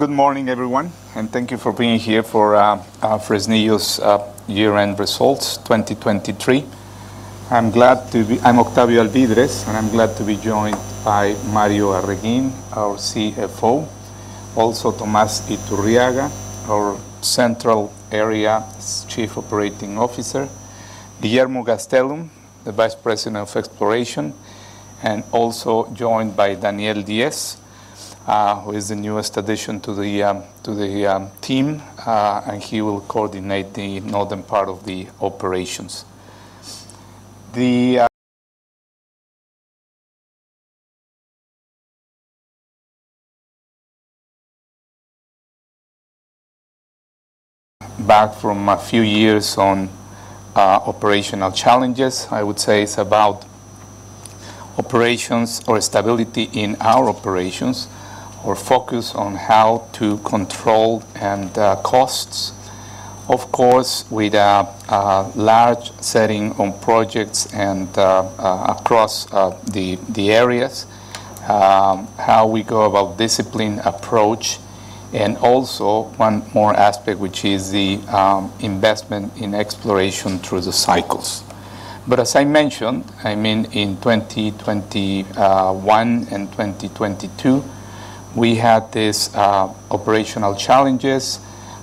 Good morning, everyone, and thank you for being here for Fresnillo's Year-End Results 2023. I'm Octavio Alvídrez, and I'm glad to be joined by Mario Arreguín, our CFO; also Tomás Iturriaga, our Central Area Chief Operating Officer; Guillermo Gastélum, the Vice President of Exploration; and also joined by Daniel Diez, who is the newest addition to the team, and he will coordinate the northern part of the operations. Back from a few years on operational challenges, I would say it's about operations or stability in our operations, or focus on how to control costs. Of course, with a large setting on projects and across the areas, how we go about discipline approach, and also one more aspect, which is the investment in exploration through the cycles. But as I mentioned, I mean, in 2021 and 2022, we had this operational challenges.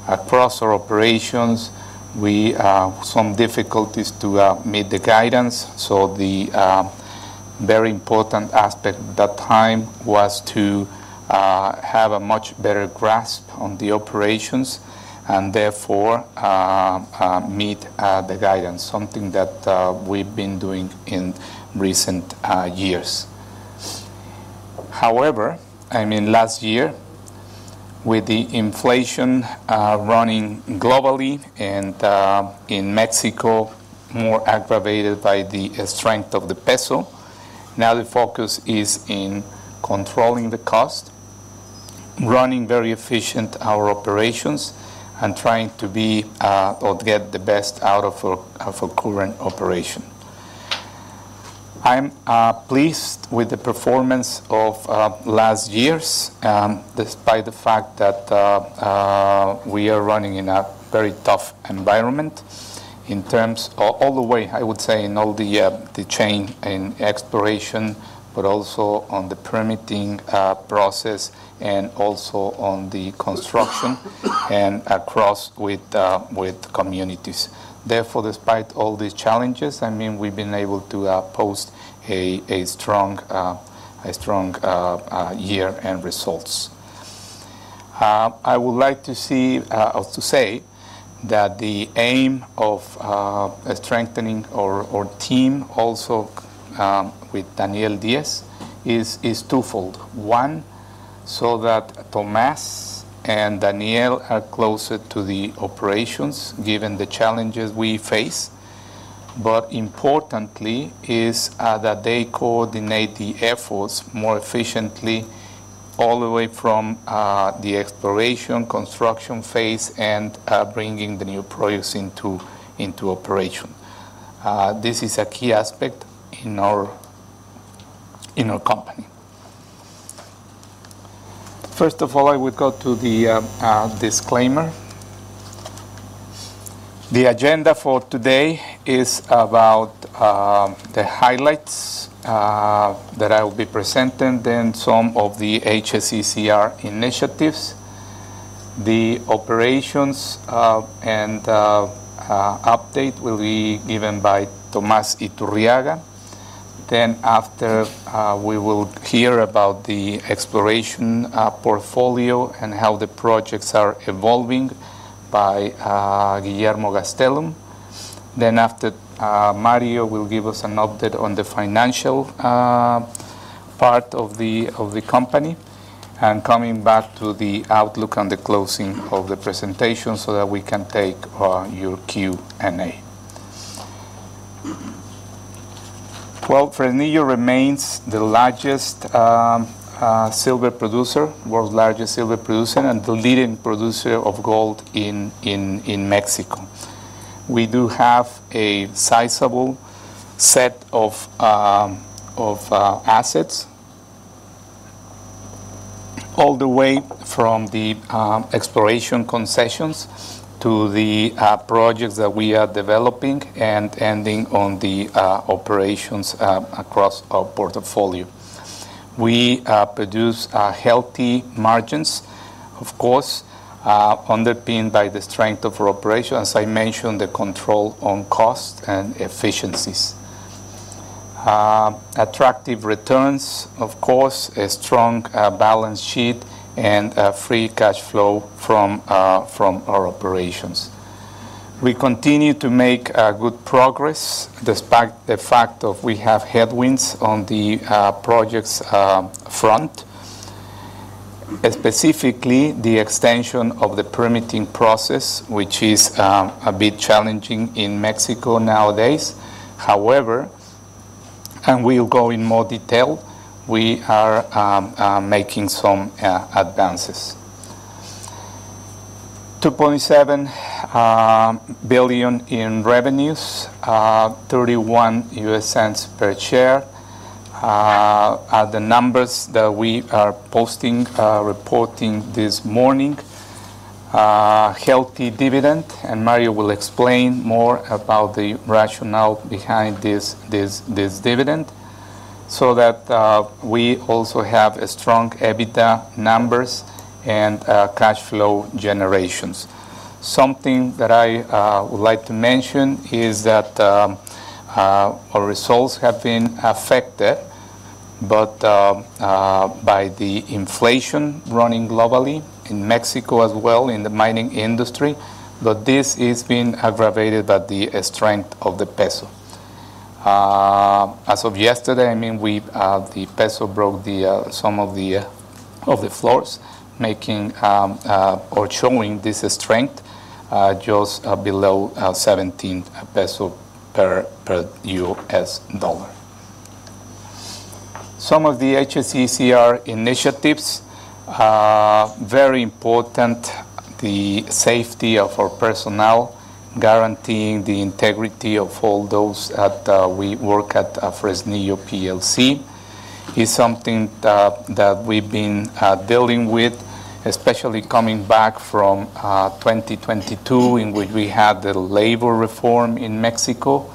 Across our operations, we had some difficulties to meet the guidance, so the very important aspect at that time was to have a much better grasp on the operations and therefore meet the guidance, something that we've been doing in recent years. However, I mean, last year, with the inflation running globally and in Mexico more aggravated by the strength of the peso, now the focus is in controlling the cost, running very efficient our operations, and trying to be or get the best out of our current operation. I'm pleased with the performance of last years, despite the fact that we are running in a very tough environment in terms of all the way, I would say, in all the chain in exploration, but also on the permitting process and also on the construction, and across with communities. Therefore, despite all these challenges, I mean, we've been able to post a strong year and results. I would like to see, or to say that the aim of strengthening our team also with Daniel Diez is two fold. One, so that Tomás and Daniel are closer to the operations, given the challenges we face, but importantly is that they coordinate the efforts more efficiently all the way from the exploration, construction phase, and bringing the new project into operation. This is a key aspect in our company. First of all, I would go to the disclaimer. The agenda for today is about the highlights that I will be presenting, then some of the HSECR initiatives. The operations and update will be given by Tomás Iturriaga. Then, after, we will hear about the exploration portfolio and how the projects are evolving by Guillermo Gastélum. Then, after, Mario Arreguín will give us an update on the financial part of the company, and, coming back to the outlook at the closing of the presentation so that we can take your Q&A. Well, Fresnillo remains the largest silver producer, the world's largest silver producer, and the leading producer of gold in Mexico. We do have a sizable set of assets, all the way from the exploration concessions to the projects that we are developing and ending on the operations across our portfolio. We produce healthy margins, of course, underpinned by the strength of our operation, as I mentioned, the control on cost and efficiencies. Attractive returns, of course, a strong balance sheet, and free cash flow from our operations. We continue to make good progress despite the fact that we have headwinds on the projects front, specifically the extension of the permitting process, which is a bit challenging in Mexico nowadays. However, we'll go in more detail; we are making some advances. $2.7 billion in revenues, $0.31 per share. The numbers that we are posting, reporting this morning, healthy dividend, and Mario will explain more about the rationale behind this dividend, so that we also have strong EBITDA numbers and cash flow generations. Something that I would like to mention is that our results have been affected by the inflation running globally, in Mexico as well, in the mining industry, but this has been aggravated by the strength of the peso. As of yesterday, I mean, we've the peso broke the some of the floors, making or showing this strength, just below 17 pesos per US dollar. Some of the HSECR initiatives, very important, the safety of our personnel, guaranteeing the integrity of all those at we work at Fresnillo plc is something that we've been dealing with, especially coming back from 2022, in which we had the labor reform in Mexico,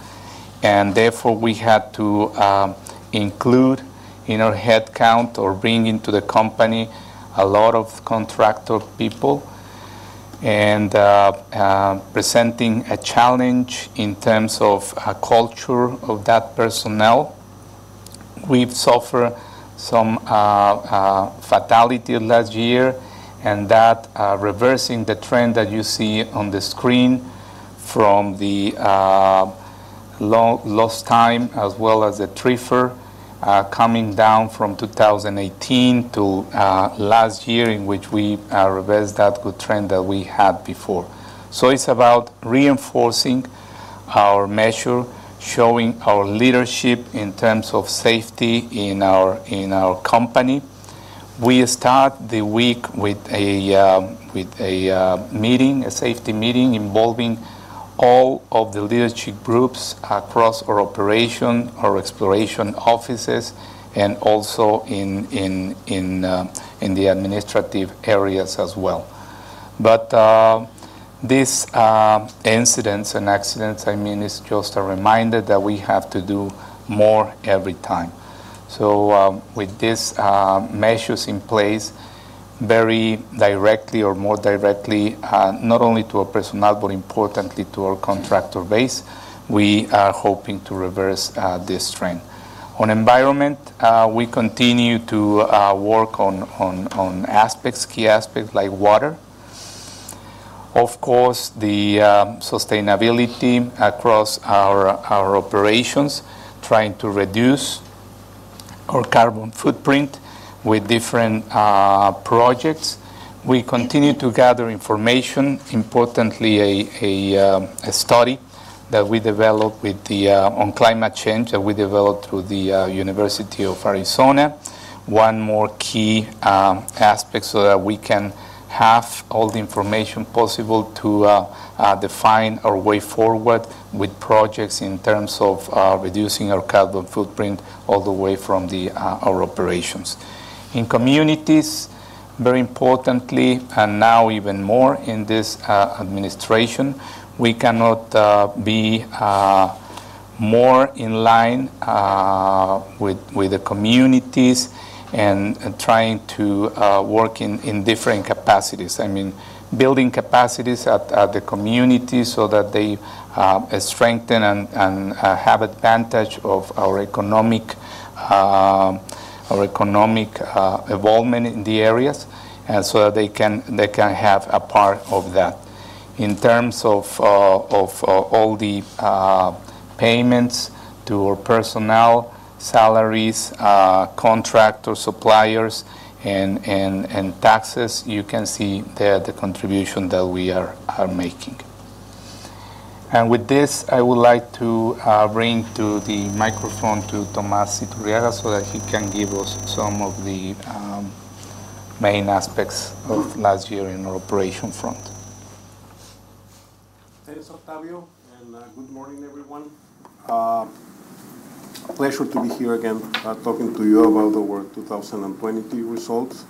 and therefore we had to include in our headcount or bring into the company a lot of contractor people, and presenting a challenge in terms of a culture of that personnel. We've suffered some fatality last year, and that reversing the trend that you see on the screen from the lost time, as well as the TRIFR, coming down from 2018 to last year, in which we reversed that good trend that we had before. So it's about reinforcing our measure, showing our leadership in terms of safety in our company. We start the week with a safety meeting, involving all of the leadership groups across our operation, our exploration offices, and also in the administrative areas as well. But this incidents and accidents, I mean, it's just a reminder that we have to do more every time. So, with this measures in place, very directly or more directly, not only to our personnel, but importantly to our contractor base, we are hoping to reverse this trend. On environment, we continue to work on key aspects, like water. Of course, the sustainability across our operations, trying to reduce our carbon footprint with different projects. We continue to gather information, importantly a study that we developed with the University of Arizona on climate change that we developed through the University of Arizona, one more key aspect so that we can have all the information possible to define our way forward with projects in terms of reducing our carbon footprint all the way from our operations. In communities, very importantly, and now even more in this administration, we cannot be more in line with the communities and trying to work in different capacities. I mean, building capacities at the communities so that they strengthen and have advantage of our economic evolvement in the areas, and so that they can have a part of that. In terms of all the payments to our personnel, salaries, contractors, suppliers, and taxes, you can see the contribution that we are making. And with this, I would like to bring to the microphone Tomás Iturriaga so that he can give us some of the main aspects of last year in our operation front. Thanks, Octavio, and good morning, everyone. Pleasure to be here again, talking to you about our 2023 results.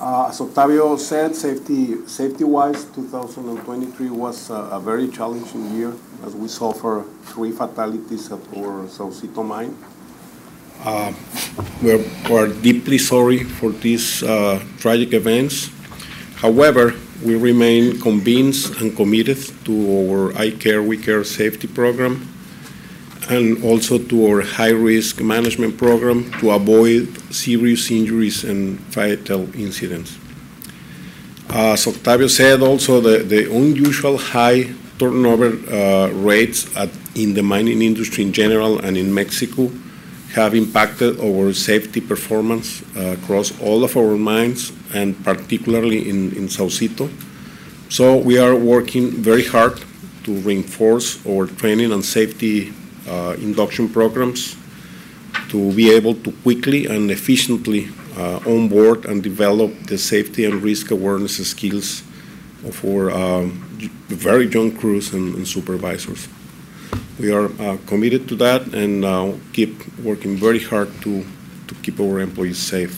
As Octavio said, safety-wise, 2023 was a very challenging year, as we suffered three fatalities at our Saucito Mine. We're deeply sorry for these tragic events. However, we remain convinced and committed to our I Care We Care safety program and also to our high-risk management program to avoid serious injuries and fatal incidents. As Octavio said, also, the unusual high turnover rates in the mining industry in general and in Mexico have impacted our safety performance across all of our mines, and particularly in Saucito. So we are working very hard to reinforce our training and safety induction programs to be able to quickly and efficiently onboard and develop the safety and risk awareness skills of our very young crews and supervisors. We are committed to that and keep working very hard to keep our employees safe.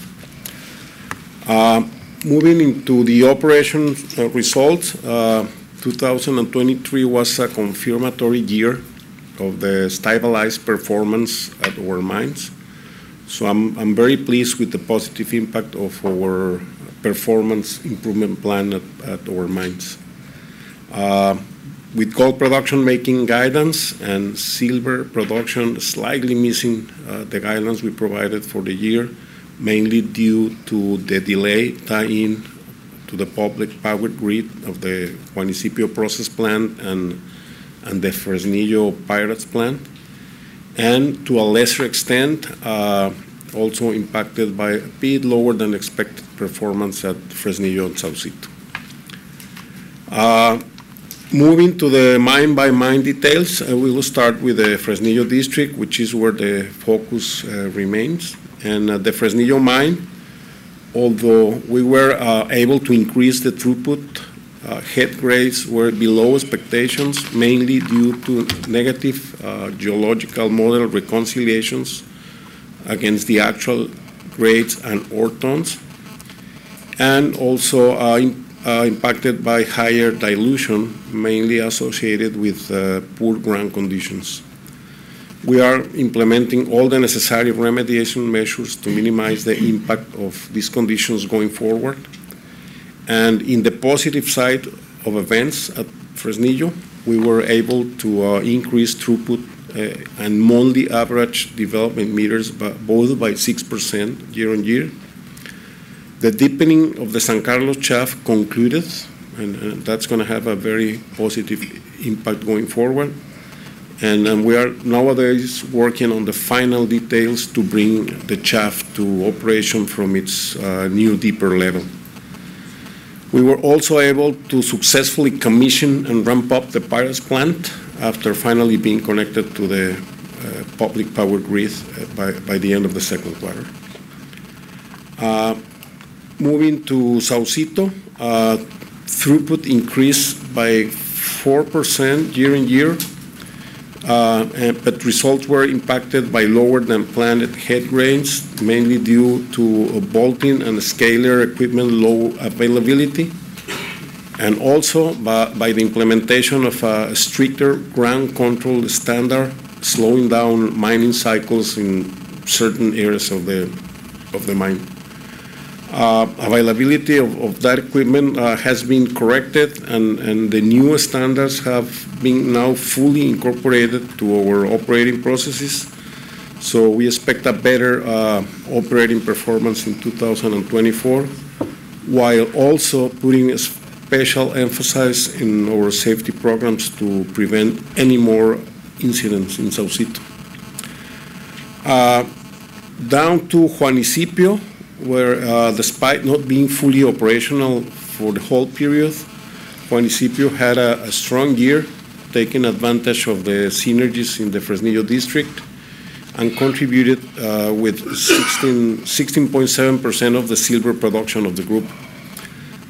Moving into the operational results, 2023 was a confirmatory year of the stabilized performance at our mines. So I'm very pleased with the positive impact of our performance improvement plan at our mines. With gold production making guidance and silver production slightly missing the guidance we provided for the year, mainly due to the delay tie-in to the public power grid of the Juanicipio process plant and the Fresnillo pyrites plant, and to a lesser extent, also impacted by a bit lower than expected performance at Fresnillo and Saucito. Moving to the mine-by-mine details, we will start with the Fresnillo District, which is where the focus remains. At the Fresnillo Mine, although we were able to increase the throughput, head grades were below expectations, mainly due to negative geological model reconciliations against the actual grades and ore tons, and also impacted by higher dilution, mainly associated with poor ground conditions. We are implementing all the necessary remediation measures to minimize the impact of these conditions going forward. In the positive side of events at Fresnillo, we were able to increase throughput and monthly average development meters by 6% year-on-year. The deepening of the San Carlos Shaft concluded, and that's going to have a very positive impact going forward. We are nowadays working on the final details to bring the shaft to operation from its new deeper level. We were also able to successfully commission and ramp up the Pyrites Plant after finally being connected to the public power grid by the end of the second quarter. Moving to Saucito, throughput increased by 4% year-on-year, but results were impacted by lower than planned head grades, mainly due to bolting and scaler equipment low availability, and also by the implementation of a stricter ground control standard, slowing down mining cycles in certain areas of the mine. Availability of that equipment has been corrected, and the newer standards have been now fully incorporated to our operating processes. So we expect a better operating performance in 2024, while also putting a special emphasis in our safety programs to prevent any more incidents in Saucito. down to Juanicipio, where, despite not being fully operational for the whole period, Juanicipio had a strong year, taking advantage of the synergies in the Fresnillo District and contributed with 16.7% of the silver production of the group.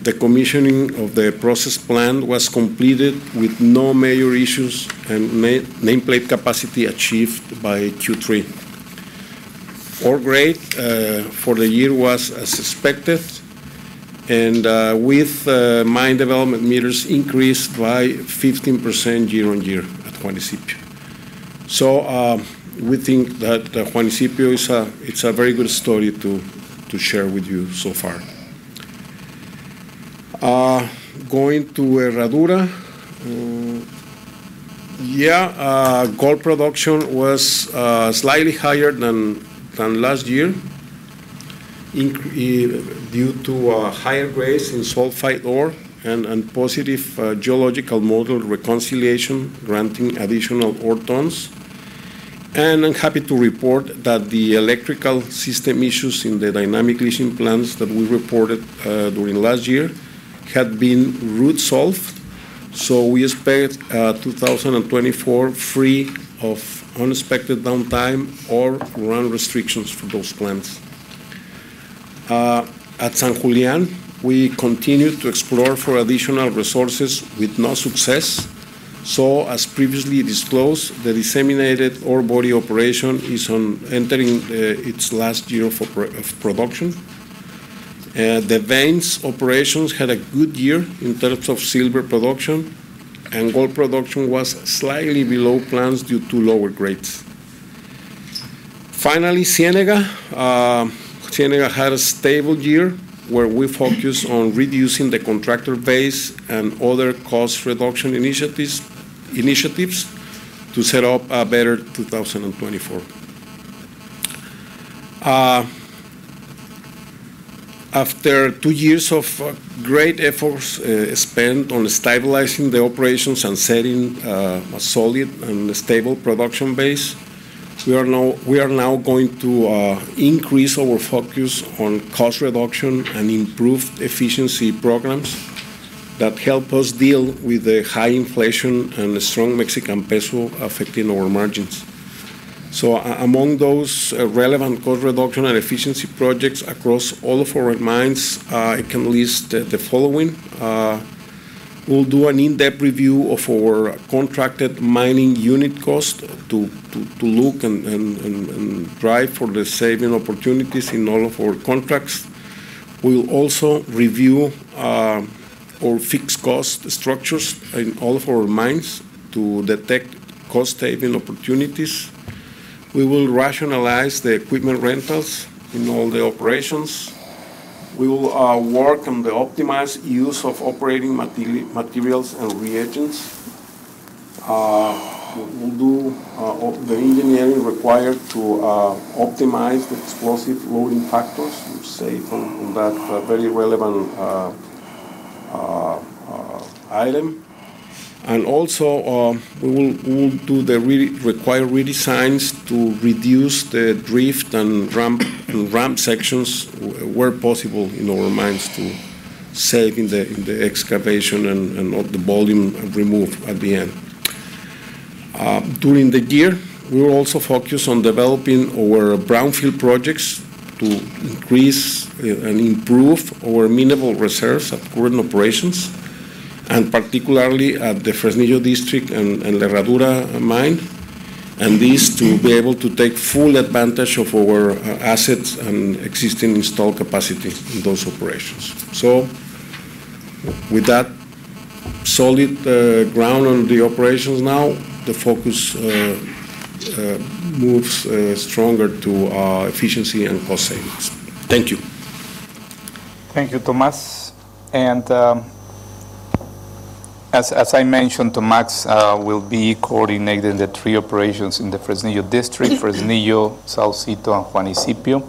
The commissioning of the process plant was completed with no major issues and nameplate capacity achieved by Q3. Our grade for the year was as expected, and mine development meters increased by 15% year-on-year at Juanicipio. So, we think that Juanicipio is a it's a very good story to share with you so far. Going to Herradura, yeah, gold production was slightly higher than last year, due to higher grades in sulfide ore and positive geological model reconciliation granting additional ore tonnes. And I'm happy to report that the electrical system issues in the dynamic leaching plants that we reported during last year had been resolved. So we expect 2024 free of unexpected downtime or ground restrictions for those plants. At San Julián, we continue to explore for additional resources with no success. So, as previously disclosed, the disseminated ore body operation is entering its last year of production. The veins operations had a good year in terms of silver production, and gold production was slightly below plans due to lower grades. Finally, Ciénega had a stable year where we focused on reducing the contractor base and other cost reduction initiatives to set up a better 2024. After two years of great efforts spent on stabilizing the operations and setting a solid and stable production base, we are now going to increase our focus on cost reduction and improved efficiency programs that help us deal with the high inflation and strong Mexican peso affecting our margins. So, among those relevant cost reduction and efficiency projects across all of our mines, I can list the following. We'll do an in-depth review of our contracted mining unit cost to look and drive for the saving opportunities in all of our contracts. We'll also review our fixed cost structures in all of our mines to detect cost-saving opportunities. We will rationalize the equipment rentals in all the operations. We will work on the optimized use of operating materials and reagents. We'll do the engineering required to optimize the explosive loading factors, which say from that very relevant item. And also, we will do the required redesigns to reduce the drift and ramp sections where possible in our mines to save in the excavation and all the volume removed at the end. During the year, we will also focus on developing our brownfield projects to increase and improve our mineral reserves at current operations, and particularly at the Fresnillo District and Herradura Mine, and these to be able to take full advantage of our assets and existing installed capacity in those operations. So, with that solid ground on the operations now, the focus moves stronger to efficiency and cost savings. Thank you. Thank you, Tomás. And as I mentioned, Tomás will be coordinating the three operations in the Fresnillo District: Fresnillo, Saucito, and Juanicipio,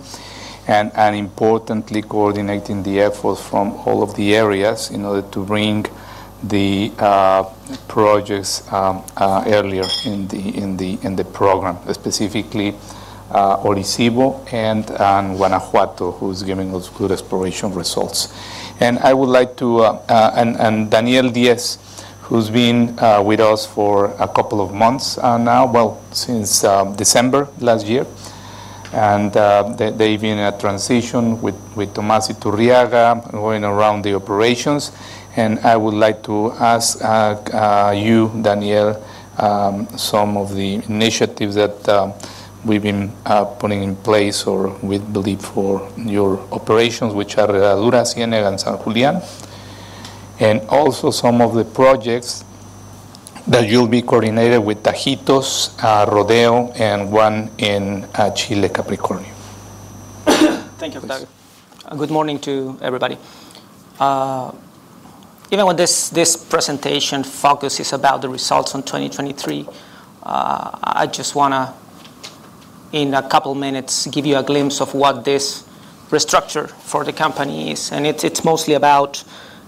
and importantly, coordinating the efforts from all of the areas in order to bring the projects earlier in the program, specifically Orisyvo and Guanajuato, who’s giving us good exploration results. And I would like to and Daniel Diez, who’s been with us for a couple of months, now well, since December last year. And they’ve been in a transition with Tomás Iturriaga going around the operations. And I would like to ask you, Daniel, some of the initiatives that we’ve been putting in place or we believe for your operations, which are Herradura, Ciénega, and San Julián, and also some of the projects that you’ll be coordinating with Tajitos, Rodeo, and one in Chile, Capricornio. Thank you, Octavio. Good morning to everybody. Even when this, this presentation focuses about the results on 2023, I just want to, in a couple minutes, give you a glimpse of what this restructure for the company is. And it's, it's mostly about,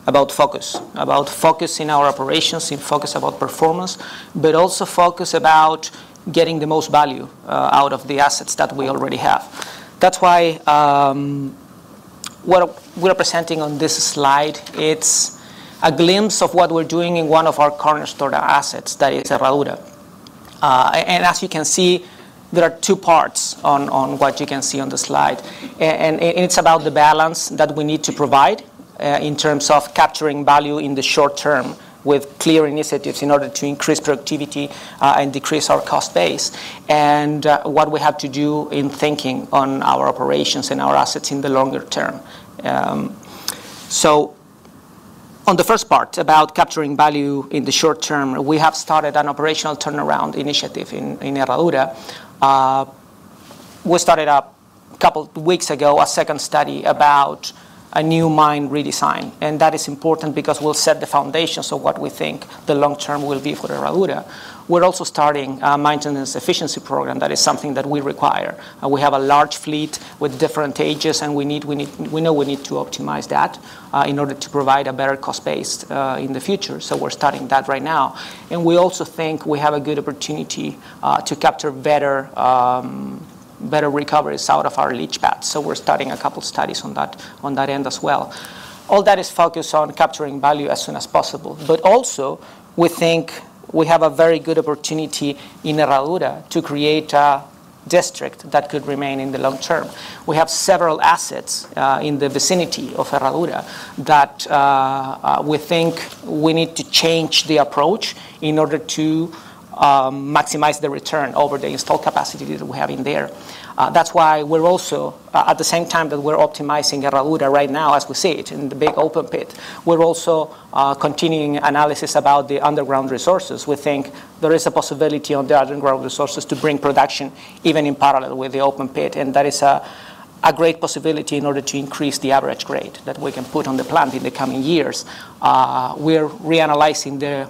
about focus, about focus in our operations, in focus about performance, but also focus about getting the most value, out of the assets that we already have. That's why, what we're presenting on this slide, it's a glimpse of what we're doing in one of our cornerstone assets, that is Herradura. And, and as you can see, there are two parts on, on what you can see on the slide. And it's about the balance that we need to provide, in terms of capturing value in the short term with clear initiatives in order to increase productivity, and decrease our cost base, and what we have to do in thinking on our operations and our assets in the longer term. On the first part about capturing value in the short term, we have started an operational turnaround initiative in Herradura. We started a couple weeks ago a second study about a new mine redesign. And that is important because we'll set the foundations of what we think the long term will be for Herradura. We're also starting a maintenance efficiency program. That is something that we require. We have a large fleet with different ages, and we need to optimize that, in order to provide a better cost base, in the future. So we're starting that right now. And we also think we have a good opportunity, to capture better recoveries out of our leach pads. So we're starting a couple studies on that end as well. All that is focused on capturing value as soon as possible. But also, we think we have a very good opportunity in Herradura to create a district that could remain in the long term. We have several assets, in the vicinity of Herradura that, we think we need to change the approach in order to, maximize the return over the installed capacity that we have in there. That's why we're also at the same time that we're optimizing Herradura right now, as we see it in the big open pit, we're also continuing analysis about the underground resources. We think there is a possibility on the underground resources to bring production even in parallel with the open pit. And that is a great possibility in order to increase the average grade that we can put on the plant in the coming years. We're reanalyzing the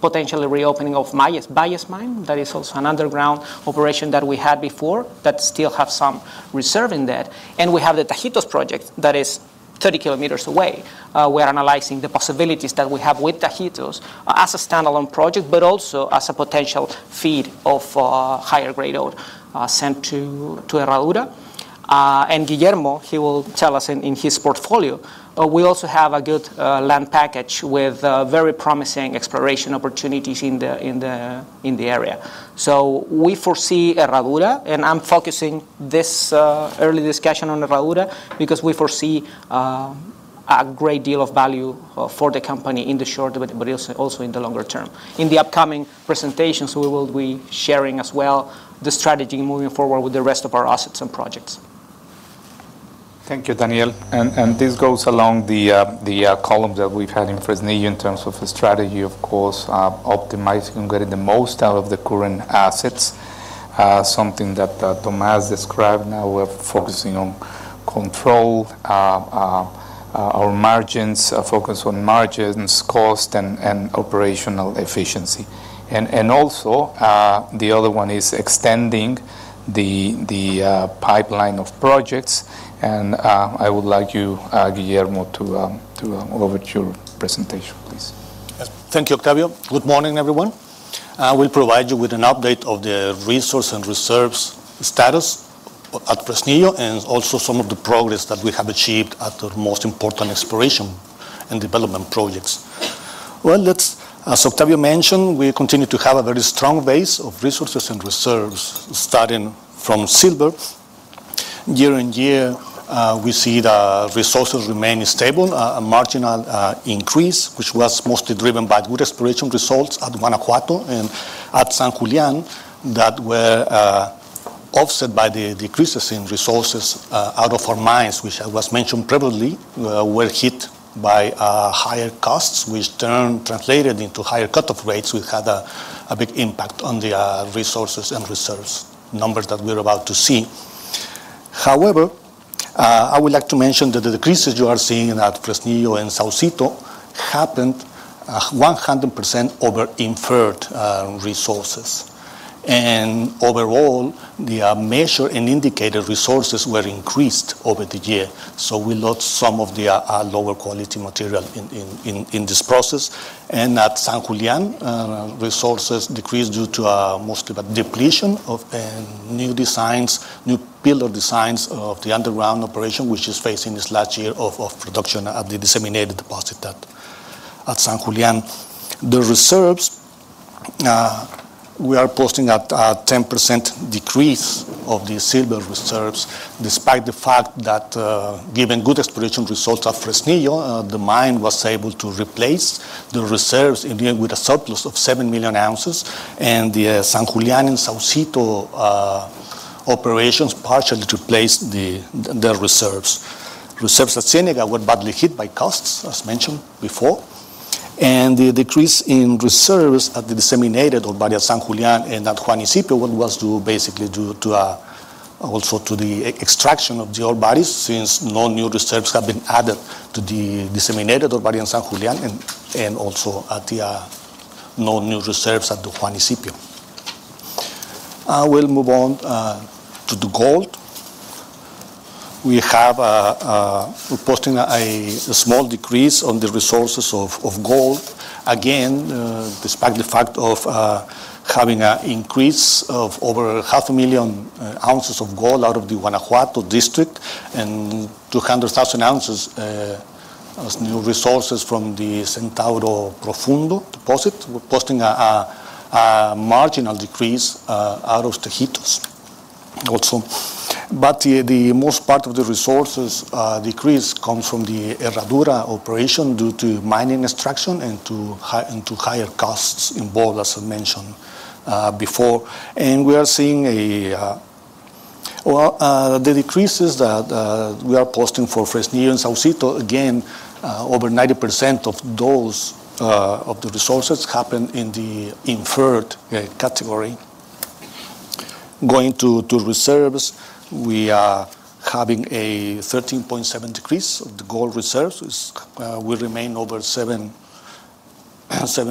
potential reopening of Valles Mine. That is also an underground operation that we had before that still has some reserves in there. And we have the Tajitos project that is 30 km away. We're analyzing the possibilities that we have with Tajitos as a standalone project, but also as a potential feed of higher grade ore sent to Herradura. Guillermo, he will tell us in his portfolio, we also have a good land package with very promising exploration opportunities in the area. So we foresee Herradura, and I'm focusing this early discussion on Herradura because we foresee a great deal of value for the company in the short but also in the longer term. In the upcoming presentations, we will be sharing as well the strategy moving forward with the rest of our assets and projects. Thank you, Daniel. This goes along the columns that we've had in Fresnillo in terms of a strategy, of course, optimizing and getting the most out of the current assets, something that Tomás described. Now we're focusing on control our margins, focus on margins, cost, and operational efficiency. Also, the other one is extending the pipeline of projects. I would like you, Guillermo, to over to your presentation, please. Thank you, Octavio. Good morning, everyone. We'll provide you with an update of the resource and reserves status at Fresnillo and also some of the progress that we have achieved at our most important exploration and development projects. Well, as Octavio mentioned, we continue to have a very strong base of resources and reserves starting from silver. Year on year, we see the resources remain stable, a marginal increase, which was mostly driven by good exploration results at Guanajuato and at San Julián that were offset by the decreases in resources out of our mines, which was mentioned previously, were hit by higher costs, which in turn translated into higher cut-off rates. We had a big impact on the resources and reserves numbers that we're about to see. However, I would like to mention that the decreases you are seeing at Fresnillo and Saucito happened 100% over Inferred Resources. And overall, the Measured and Indicated Resources were increased over the year. So we lost some of the lower quality material in this process. And at San Julián, resources decreased due to mostly depletion and new designs, new pillar designs of the underground operation, which is facing its last year of production at the disseminated deposit at San Julián. The reserves we are posting at 10% decrease of the silver reserves despite the fact that, given good exploration results at Fresnillo, the mine was able to replace the reserves with a surplus of 7 million ounces. And the San Julián and Saucito operations partially replaced the reserves. Reserves at Ciénega were badly hit by costs, as mentioned before. The decrease in reserves at the disseminated ore body at San Julián and at Juanicipio was basically due to also the extraction of the ore bodies since no new reserves have been added to the disseminated ore body in San Julián and also at Juanicipio. We'll move on to the gold. We have, we're posting a small decrease on the resources of gold. Again, despite the fact of having an increase of over 500,000 ounces of gold out of the Guanajuato district and 200,000 ounces as new resources from the Centauro Profundo deposit, we're posting a marginal decrease out of Tajitos also. But the most part of the resources decrease comes from the Herradura operation due to mining extraction and to higher costs involved, as I mentioned before. We are seeing a, well, the decreases that we are posting for Fresnillo and Saucito, again, over 90% of those, of the resources happen in the inferred category. Going to reserves, we are having a 13.7% decrease of the gold reserves. It's, we remain over 7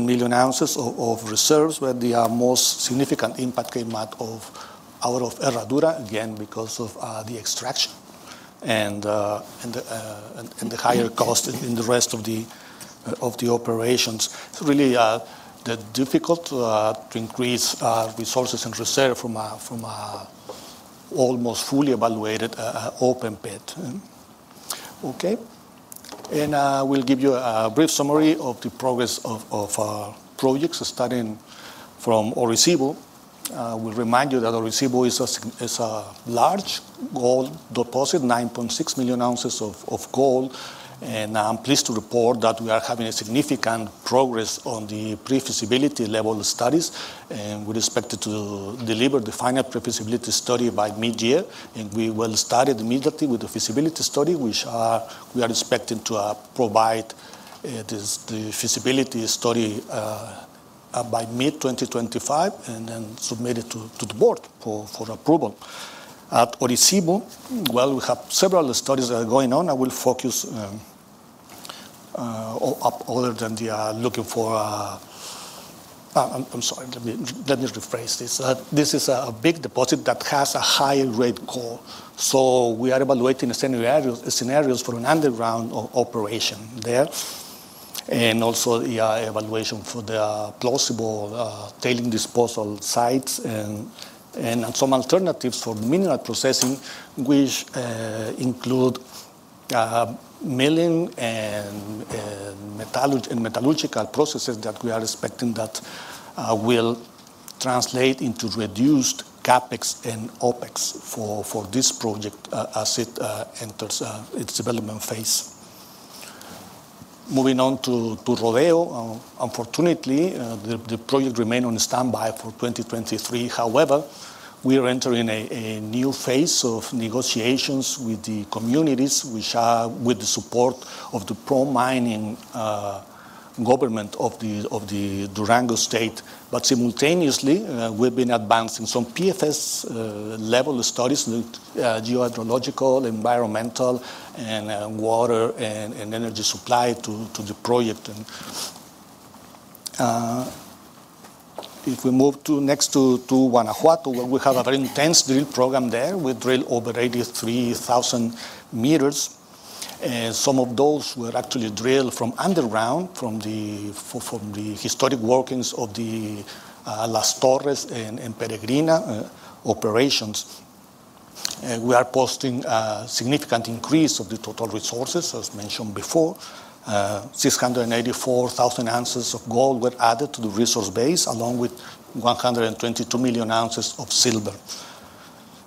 million ounces of reserves, but the most significant impact came out of Herradura, again, because of the extraction and the higher cost in the rest of the operations. It's really difficult to increase resources and reserve from an almost fully evaluated open pit. Okay? We'll give you a brief summary of the progress of our projects starting from Orisyvo. We'll remind you that Orisyvo is a large gold deposit, 9.6 million ounces of gold. I'm pleased to report that we are having a significant progress on the pre-feasibility level studies. We're expected to deliver the final pre-feasibility study by mid-year. We will start it immediately with the feasibility study, which we are expecting to provide, the feasibility study, by mid-2025 and then submit it to the board for approval. At Orisyvo, well, we have several studies that are going on. This is a big deposit that has a high rate core. We are evaluating scenarios for an underground operation there and also the evaluation for the plausible tailings disposal sites and some alternatives for mineral processing, which include milling and metallurgical processes that we are expecting that will translate into reduced CAPEX and OPEX for this project as it enters its development phase. Moving on to Rodeo. Unfortunately, the project remained on standby for 2023. However, we are entering a new phase of negotiations with the communities, which are with the support of the pro-mining government of the Durango State. Simultaneously, we've been advancing some PFS-level studies, geohydrological, environmental, and water and energy supply to the project. If we move next to Guanajuato, well, we have a very intense drill program there with drilling over 83,000 meters. And some of those were actually drilled from underground, from the historic workings of the Las Torres and Peregrina operations. We are posting a significant increase of the total resources, as mentioned before. 684,000 ounces of gold were added to the resource base along with 122 million ounces of silver.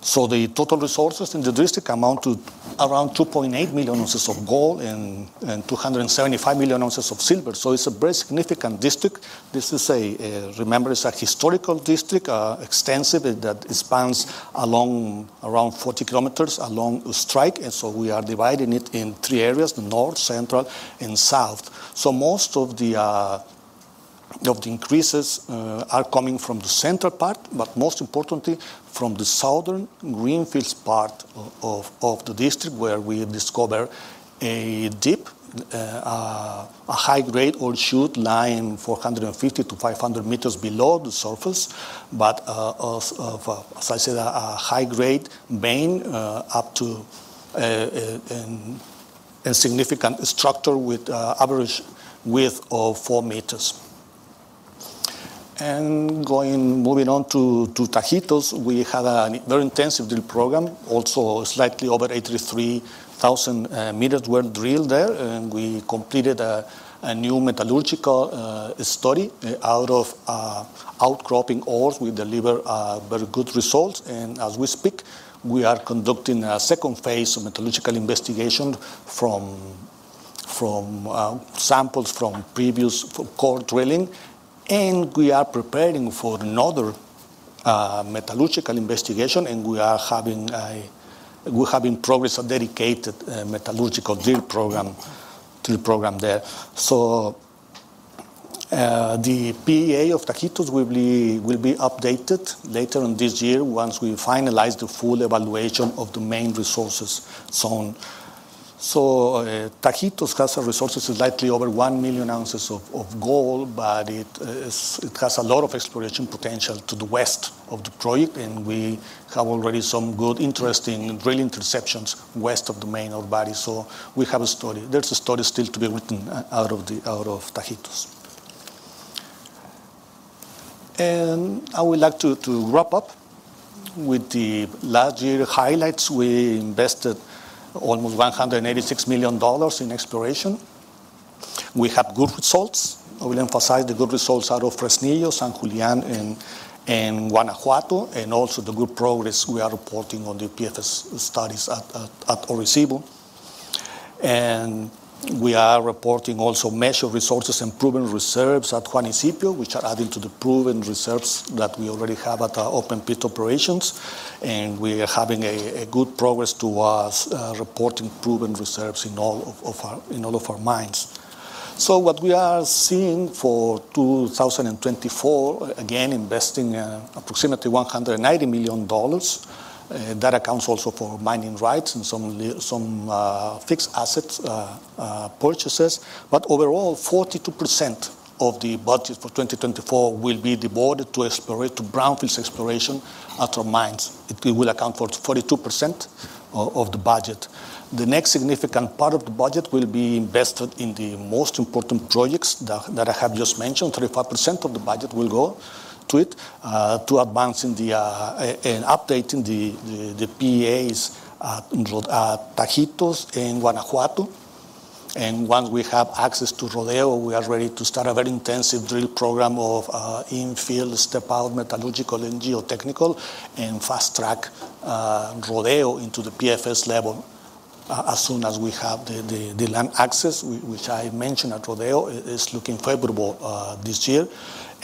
So the total resources in the district amount to around 2.8 million ounces of gold and 275 million ounces of silver. So it's a very significant district. This is a, remember, it's a historical district, extensive that spans along around 40 kilometers along strike. And so we are dividing it in three areas, the north, central, and south. So most of the increases are coming from the central part, but most importantly from the southern greenfields part of the district where we discover a deep high-grade ore chute lying 450-500 meters below the surface, but as I said, a high-grade vein up to and significant structure with average width of four meters. Going on to Tajitos, we had a very intensive drill program. Also slightly over 83,000 meters were drilled there. And we completed a new metallurgical study of outcropping ores. We deliver very good results. And as we speak, we are conducting a second phase of metallurgical investigation from samples from previous core drilling. And we are preparing for another metallurgical investigation. And we are having progress with a dedicated metallurgical drill program there. So, the PEA of Tajitos will be updated later on this year once we finalize the full evaluation of the main resources zone. So, Tajitos has resources slightly over 1 million ounces of gold, but it has a lot of exploration potential to the west of the project. And we have already some good interesting drill interceptions west of the main ore body. So we have a study. There's a study still to be written out of Tajitos. And I would like to wrap up with the last year highlights. We invested almost $186 million in exploration. We had good results. I will emphasize the good results out of Fresnillo, San Julián, and Guanajuato, and also the good progress we are reporting on the PFS studies at Orisyvo. We are reporting also measured resources and proven reserves at Juanicipio, which are adding to the proven reserves that we already have at open pit operations. We are having good progress towards reporting proven reserves in all of our mines. What we are seeing for 2024, again, investing approximately $190 million that accounts also for mining rights and some fixed assets purchases. But overall, 42% of the budget for 2024 will be devoted to brownfields exploration at our mines. It will account for 42% of the budget. The next significant part of the budget will be invested in the most important projects that I have just mentioned. 35% of the budget will go to advancing and updating the PEAs in Tajitos and Guanajuato. And once we have access to Rodeo, we are ready to start a very intensive drill program of infield step-out metallurgical and geotechnical and fast-track Rodeo into the PFS level, as soon as we have the land access, which I mentioned at Rodeo, is looking favorable, this year.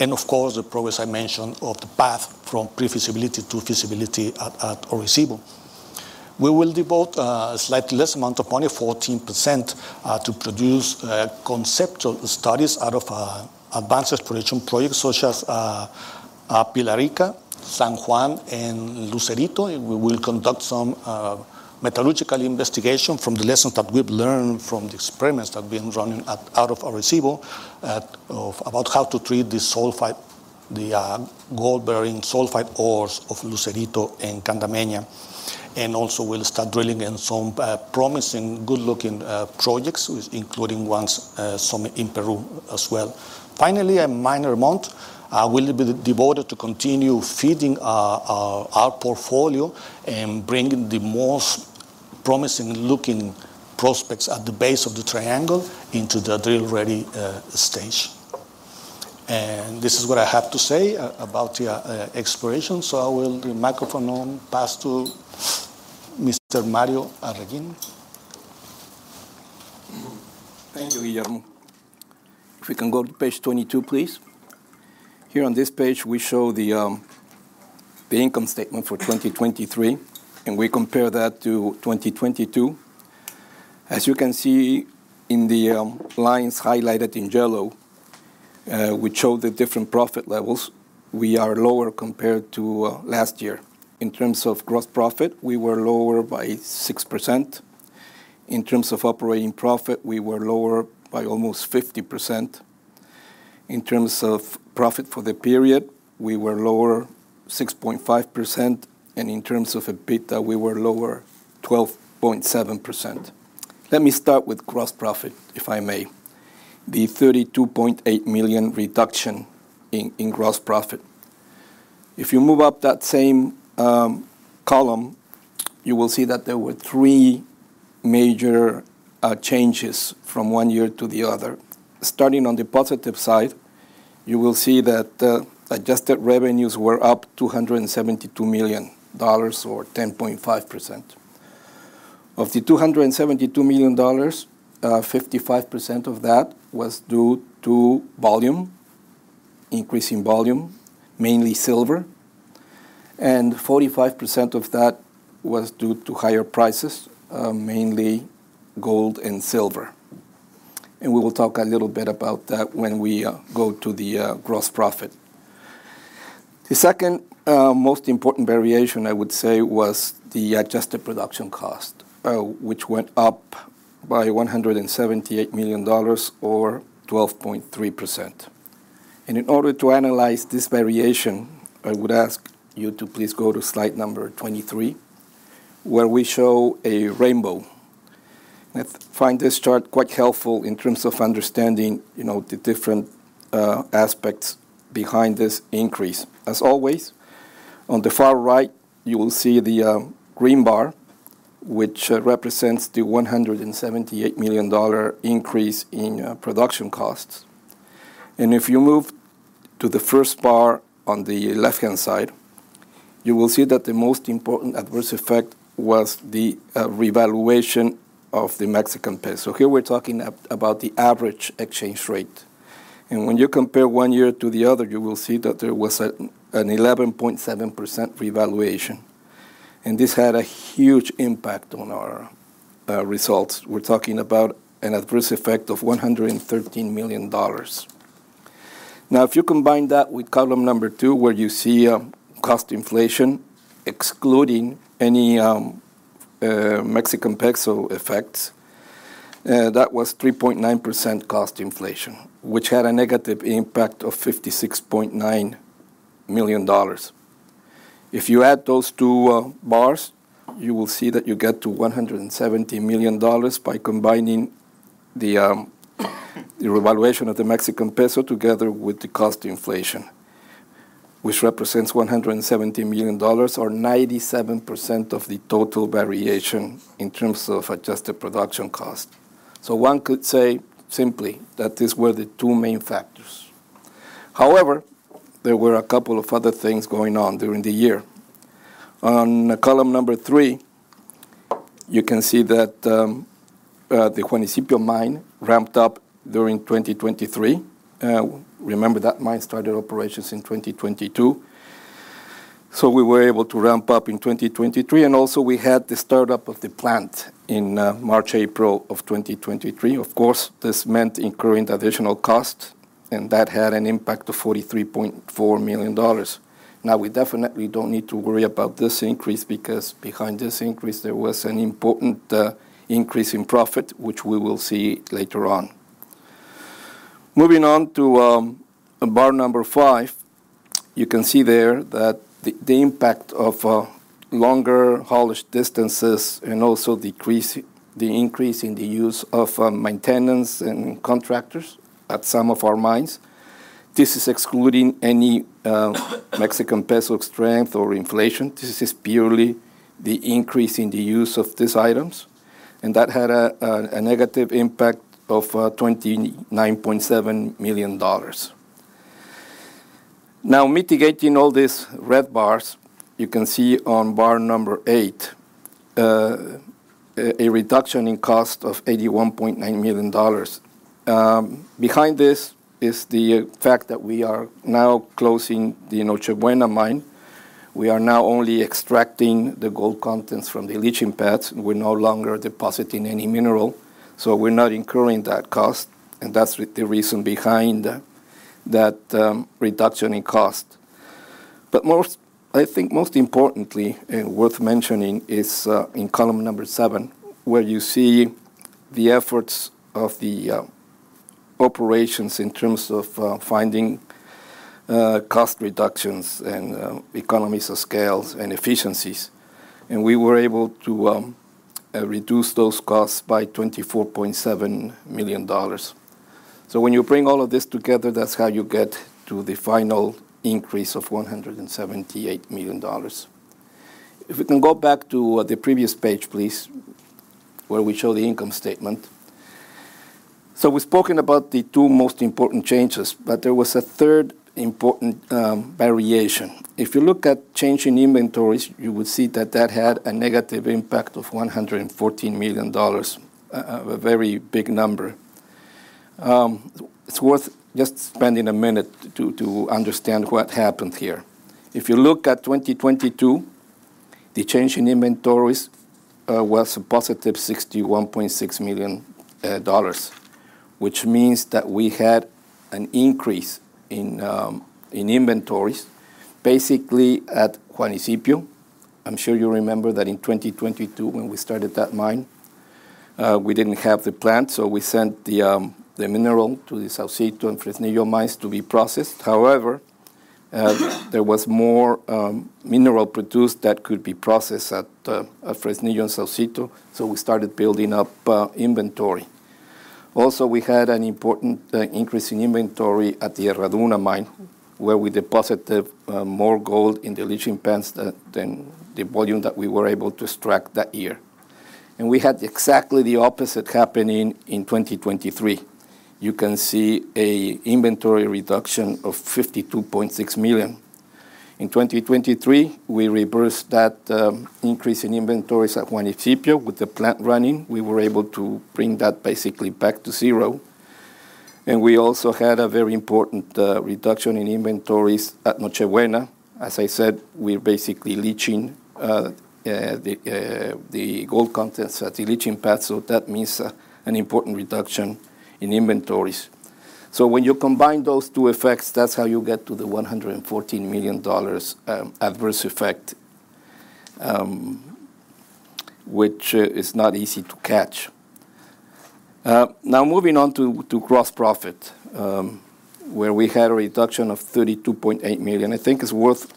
And of course, the progress I mentioned of the path from pre-feasibility to feasibility at Orisyvo. We will devote a slightly less amount of money, 14%, to produce conceptual studies out of advanced exploration projects such as Pilarica, San Juan, and Lucerito. And we will conduct some metallurgical investigation from the lessons that we've learned from the experiments that have been running at out of Orisyvo about how to treat the sulfide, the gold-bearing sulfide ores of Lucerito and Candameña. And also we'll start drilling in some promising, good-looking projects, including ones, some in Peru as well. Finally, a minor amount will be devoted to continue feeding our portfolio and bringing the most promising-looking prospects at the base of the triangle into the drill-ready stage. And this is what I have to say about the exploration. So I will pass the microphone on to Mr. Mario Arreguín. Thank you, Guillermo Gastélum. If we can go to page 22, please. Here on this page, we show the income statement for 2023, and we compare that to 2022. As you can see in the lines highlighted in yellow, which show the different profit levels, we are lower compared to last year. In terms of gross profit, we were lower by 6%. In terms of operating profit, we were lower by almost 50%. In terms of profit for the period, we were lower 6.5%. And in terms of EBIT, we were lower 12.7%. Let me start with gross profit, if I may, the $32.8 million reduction in gross profit. If you move up that same column, you will see that there were three major changes from one year to the other. Starting on the positive side, you will see that adjusted revenues were up $272 million or 10.5%. Of the $272 million, 55% of that was due to volume, increasing volume, mainly silver. 45% of that was due to higher prices, mainly gold and silver. We will talk a little bit about that when we go to the gross profit. The second most important variation, I would say, was the adjusted production cost, which went up by $178 million or 12.3%. In order to analyze this variation, I would ask you to please go to slide 23, where we show a rainbow. I find this chart quite helpful in terms of understanding, you know, the different aspects behind this increase. As always, on the far right, you will see the green bar, which represents the $178 million increase in production costs. If you move to the first bar on the left-hand side, you will see that the most important adverse effect was the revaluation of the Mexican peso. Here we're talking about the average exchange rate. When you compare one year to the other, you will see that there was an 11.7% revaluation. This had a huge impact on our results. We're talking about an adverse effect of $113 million. Now, if you combine that with column number two, where you see cost inflation excluding any Mexican peso effects, that was 3.9% cost inflation, which had a negative impact of $56.9 million. If you add those two bars, you will see that you get to $170 million by combining the revaluation of the Mexican peso together with the cost inflation, which represents $170 million or 97% of the total variation in terms of adjusted production cost. So one could say simply that these were the two main factors. However, there were a couple of other things going on during the year. On column number three, you can see that the Juanicipio mine ramped up during 2023. Remember, that mine started operations in 2022. So we were able to ramp up in 2023. And also, we had the startup of the plant in March, April of 2023. Of course, this meant incurring additional cost. And that had an impact of $43.4 million. Now, we definitely don't need to worry about this increase because behind this increase, there was an important increase in profit, which we will see later on. Moving on to bar number five, you can see there that the impact of longer haulage distances and also decrease the increase in the use of maintenance and contractors at some of our mines. This is excluding any Mexican peso strength or inflation. This is purely the increase in the use of these items. That had a negative impact of $29.7 million. Now, mitigating all these red bars, you can see on bar number eight, a reduction in cost of $81.9 million. Behind this is the fact that we are now closing the Noche Buena mine. We are now only extracting the gold contents from the leaching pads. We're no longer depositing any mineral. So we're not incurring that cost. And that's the reason behind that reduction in cost. But most I think most importantly and worth mentioning is, in column number seven, where you see the efforts of the operations in terms of finding cost reductions and economies of scale and efficiencies. And we were able to reduce those costs by $24.7 million. So when you bring all of this together, that's how you get to the final increase of $178 million. If we can go back to the previous page, please, where we show the income statement. So we've spoken about the two most important changes, but there was a third important variation. If you look at change in inventories, you would see that that had a negative impact of $114 million, a very big number. It's worth just spending a minute to understand what happened here. If you look at 2022, the change in inventories was a positive $61.6 million, which means that we had an increase in inventories basically at Juanicipio. I'm sure you remember that in 2022, when we started that mine, we didn't have the plant. So we sent the mineral to the Saucito and Fresnillo mines to be processed. However, there was more mineral produced that could be processed at Fresnillo and Saucito. So we started building up inventory. Also, we had an important increase in inventory at the Herradura mine, where we deposited more gold in the leaching pads than the volume that we were able to extract that year. And we had exactly the opposite happening in 2023. You can see an inventory reduction of $52.6 million. In 2023, we reversed that increase in inventories at Juanicipio. With the plant running, we were able to bring that basically back to zero. And we also had a very important reduction in inventories at Noche Buena. As I said, we're basically leaching the gold contents at the leaching pads. So that means an important reduction in inventories. So when you combine those two effects, that's how you get to the $114 million adverse effect, which is not easy to catch. Now moving on to gross profit, where we had a reduction of $32.8 million. I think it's worth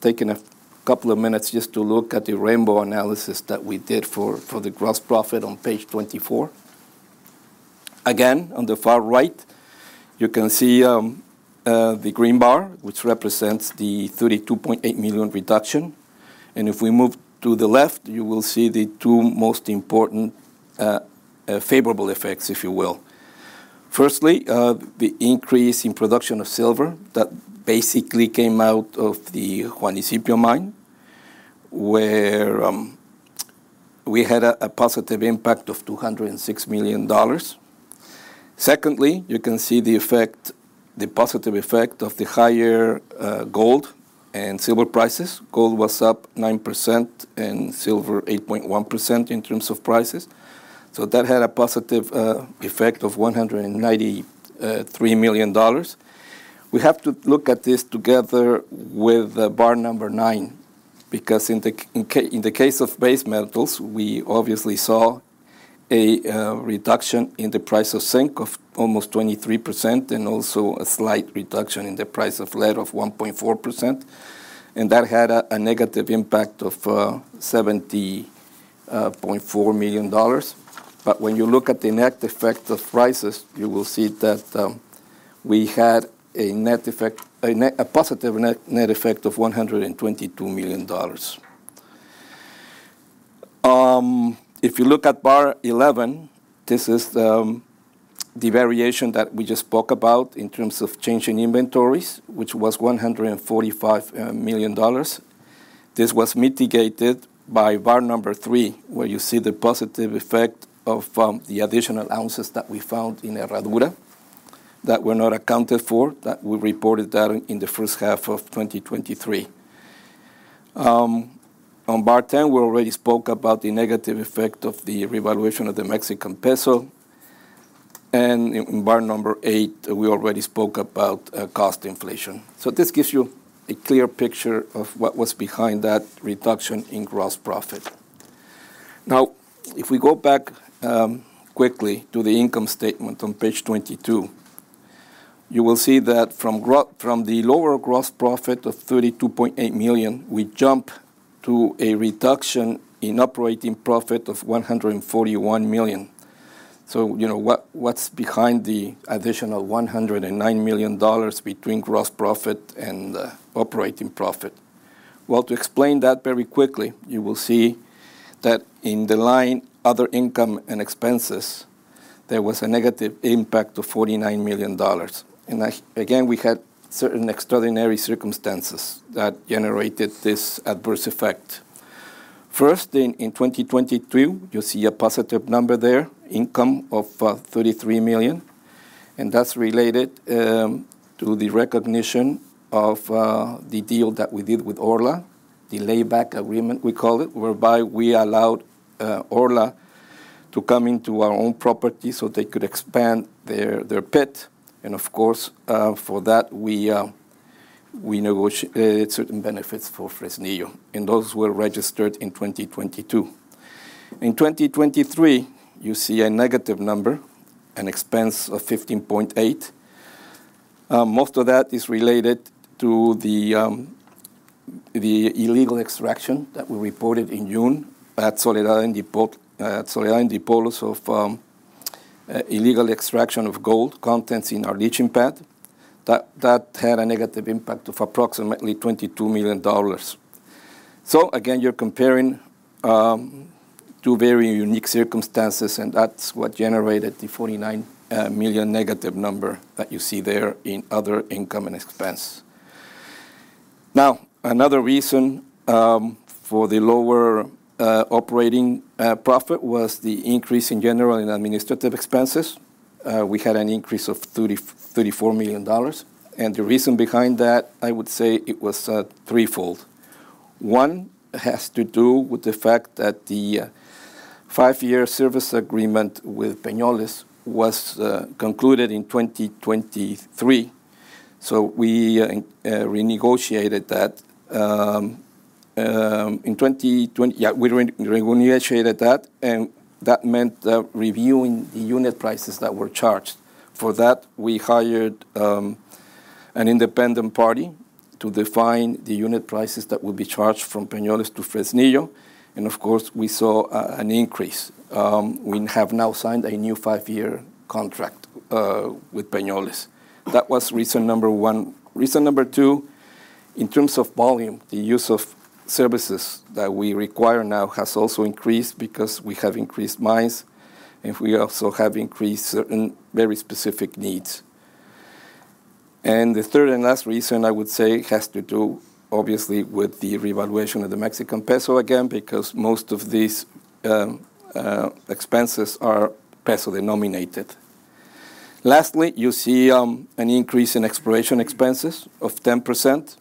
taking a couple of minutes just to look at the rainbow analysis that we did for the gross profit on page 24. Again, on the far right, you can see the green bar, which represents the $32.8 million reduction. And if we move to the left, you will see the two most important favorable effects, if you will. Firstly, the increase in production of silver that basically came out of the Juanicipio mine, where we had a positive impact of $206 million. Secondly, you can see the effect the positive effect of the higher gold and silver prices. Gold was up 9% and silver 8.1% in terms of prices. So that had a positive effect of $193 million. We have to look at this together with bar number nine because in the case of base metals, we obviously saw a reduction in the price of zinc of almost 23% and also a slight reduction in the price of lead of 1.4%. And that had a negative impact of $70.4 million. But when you look at the net effect of prices, you will see that we had a positive net effect of $122 million. If you look at bar 11, this is the variation that we just spoke about in terms of changing inventories, which was $145 million. This was mitigated by bar number three, where you see the positive effect of the additional ounces that we found in Herradura that were not accounted for, that we reported that in the first half of 2023. On bar 10, we already spoke about the negative effect of the revaluation of the Mexican peso. In bar number eight, we already spoke about cost inflation. So this gives you a clear picture of what was behind that reduction in gross profit. Now, if we go back quickly to the income statement on page 22, you will see that from gross from the lower gross profit of $32.8 million, we jump to a reduction in operating profit of $141 million. So, you know, what, what's behind the additional $109 million between gross profit and operating profit? Well, to explain that very quickly, you will see that in the line other income and expenses, there was a negative impact of $49 million. Again, we had certain extraordinary circumstances that generated this adverse effect. First, in 2022, you see a positive number there, income of $33 million. And that's related to the recognition of the deal that we did with Orla, the layback agreement we call it, whereby we allowed Orla to come into our own property so they could expand their pit. And of course, for that, we negotiated certain benefits for Fresnillo. And those were registered in 2022. In 2023, you see a negative number, an expense of $15.8 million. Most of that is related to the illegal extraction that we reported in June at Soledad-Dipolos, illegal extraction of gold contents in our leaching pad. That had a negative impact of approximately $22 million. So again, you're comparing two very unique circumstances. And that's what generated the $49 million negative number that you see there in other income and expense. Now, another reason for the lower operating profit was the increase in general and administrative expenses. We had an increase of $34 million. And the reason behind that, I would say, it was threefold. One has to do with the fact that the five-year service agreement with Peñoles was concluded in 2023. So we renegotiated that in 2020. Yeah, we renegotiated that. And that meant reviewing the unit prices that were charged. For that, we hired an independent party to define the unit prices that would be charged from Peñoles to Fresnillo. And of course, we saw an increase. We have now signed a new five-year contract with Peñoles. That was reason number one. Reason number two, in terms of volume, the use of services that we require now has also increased because we have increased mines. And we also have increased certain very specific needs. And the third and last reason, I would say, has to do, obviously, with the revaluation of the Mexican peso again because most of these expenses are peso-denominated. Lastly, you see an increase in exploration expenses of 10%.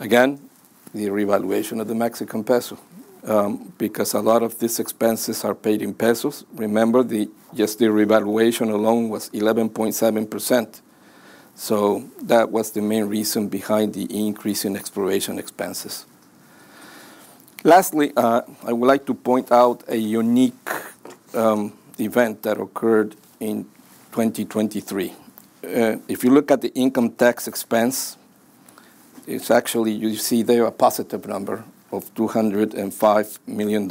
Again, the revaluation of the Mexican peso, because a lot of these expenses are paid in pesos. Remember, just the revaluation alone was 11.7%. So that was the main reason behind the increase in exploration expenses. Lastly, I would like to point out a unique event that occurred in 2023. If you look at the income tax expense, it's actually you see there a positive number of $205 million,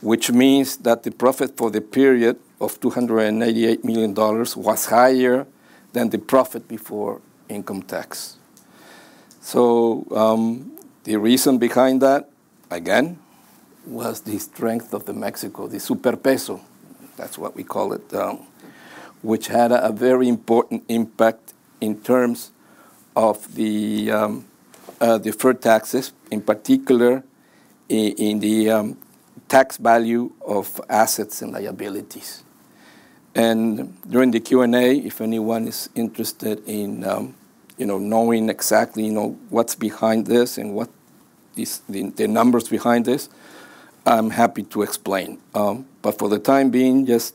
which means that the profit for the period of $288 million was higher than the profit before income tax. So, the reason behind that, again, was the strength of the Mexican peso, the super peso. That's what we call it, which had a very important impact in terms of the deferred taxes, in particular, in the tax value of assets and liabilities. And during the Q&A, if anyone is interested in, you know, knowing exactly, you know, what's behind this and what these the numbers behind this, I'm happy to explain. But for the time being, just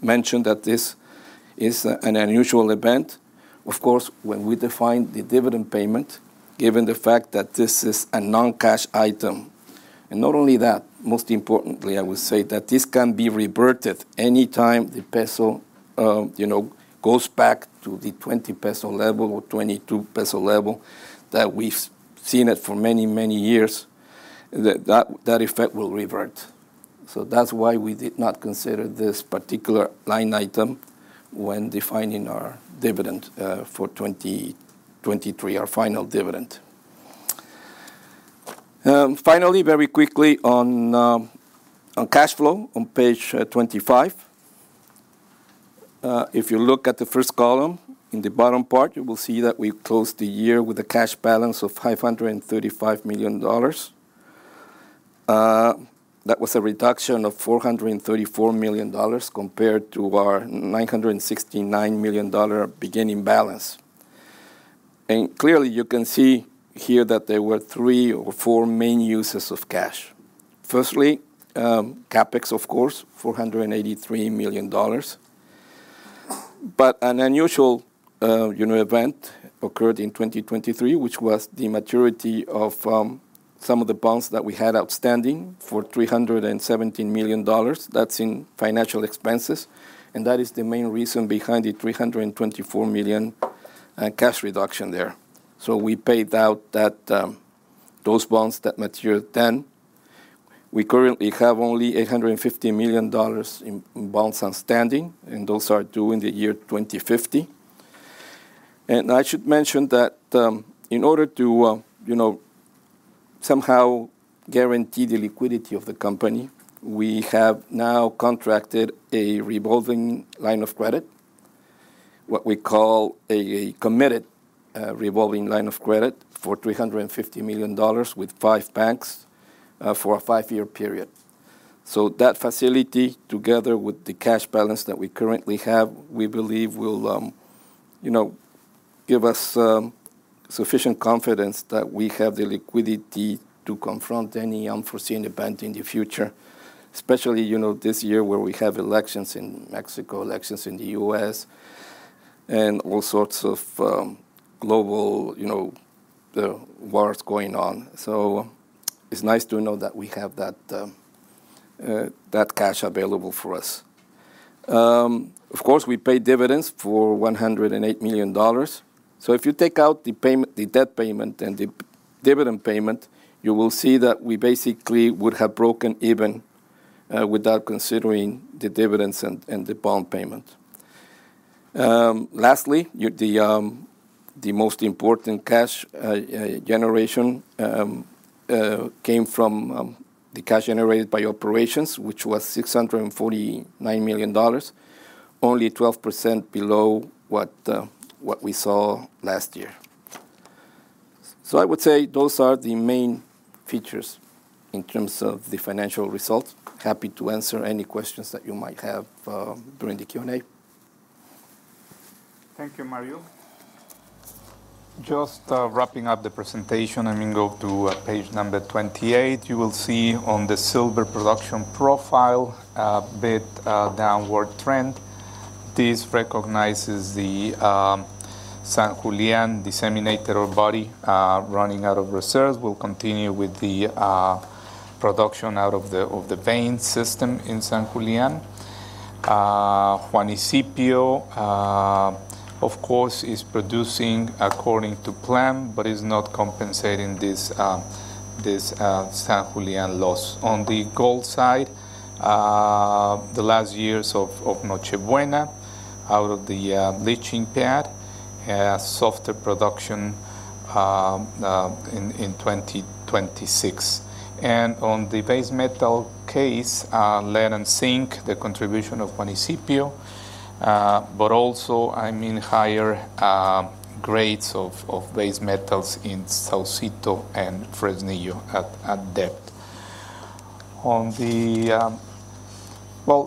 mention that this is an unusual event. Of course, when we define the dividend payment, given the fact that this is a non-cash item and not only that, most importantly, I would say that this can be reverted anytime the peso, you know, goes back to the $20 level or $22 level that we've seen it for many, many years, that effect will revert. So that's why we did not consider this particular line item when defining our dividend, for 2023, our final dividend. Finally, very quickly on cash flow on page 25, if you look at the first column, in the bottom part, you will see that we closed the year with a cash balance of $535 million. That was a reduction of $434 million compared to our $969 million beginning balance. Clearly, you can see here that there were three or four main uses of cash. Firstly, CAPEX, of course, $483 million. But an unusual, you know, event occurred in 2023, which was the maturity of some of the bonds that we had outstanding for $317 million. That's in financial expenses. And that is the main reason behind the $324 million cash reduction there. So we paid out that, those bonds that matured then. We currently have only $850 million in bonds outstanding. And those are due in the year 2050. And I should mention that, in order to, you know, somehow guarantee the liquidity of the company, we have now contracted a revolving line of credit, what we call a committed revolving line of credit for $350 million with five banks, for a five-year period. So that facility, together with the cash balance that we currently have, we believe will, you know, give us sufficient confidence that we have the liquidity to confront any unforeseen event in the future, especially, you know, this year where we have elections in Mexico, elections in the U.S., and all sorts of global, you know, wars going on. So it's nice to know that we have that cash available for us. Of course, we paid dividends for $108 million. So if you take out the payment the debt payment and the dividend payment, you will see that we basically would have broken even, without considering the dividends and the bond payment. Lastly, the most important cash generation came from the cash generated by operations, which was $649 million, only 12% below what we saw last year. So I would say those are the main features in terms of the financial results. Happy to answer any questions that you might have during the Q&A. Thank you, Mario. Just wrapping up the presentation, I mean, go to page number 28. You will see on the silver production profile a bit downward trend. This recognizes the San Julián disseminated ore body running out of reserves. We'll continue with the production out of the vein system in San Julián. Juanicipio, of course, is producing according to plan but is not compensating this San Julián loss. On the gold side, the last years of Noche Buena out of the leaching pad, softer production in 2026. And on the base metal case, lead and zinc, the contribution of Juanicipio, but also, I mean, higher grades of base metals in Saucito and Fresnillo at depth. Well,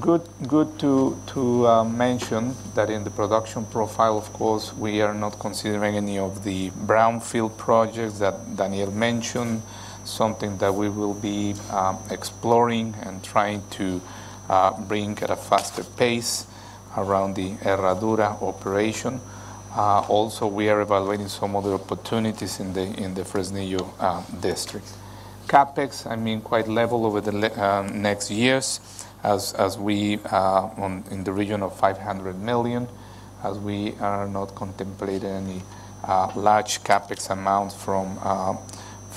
good to mention that in the production profile, of course, we are not considering any of the brownfield projects that Daniel mentioned, something that we will be exploring and trying to bring at a faster pace around the Herradura operation. Also, we are evaluating some other opportunities in the Fresnillo district. CAPEX, I mean, quite level over the next years as we are in the region of $500 million, as we are not contemplating any large CAPEX amounts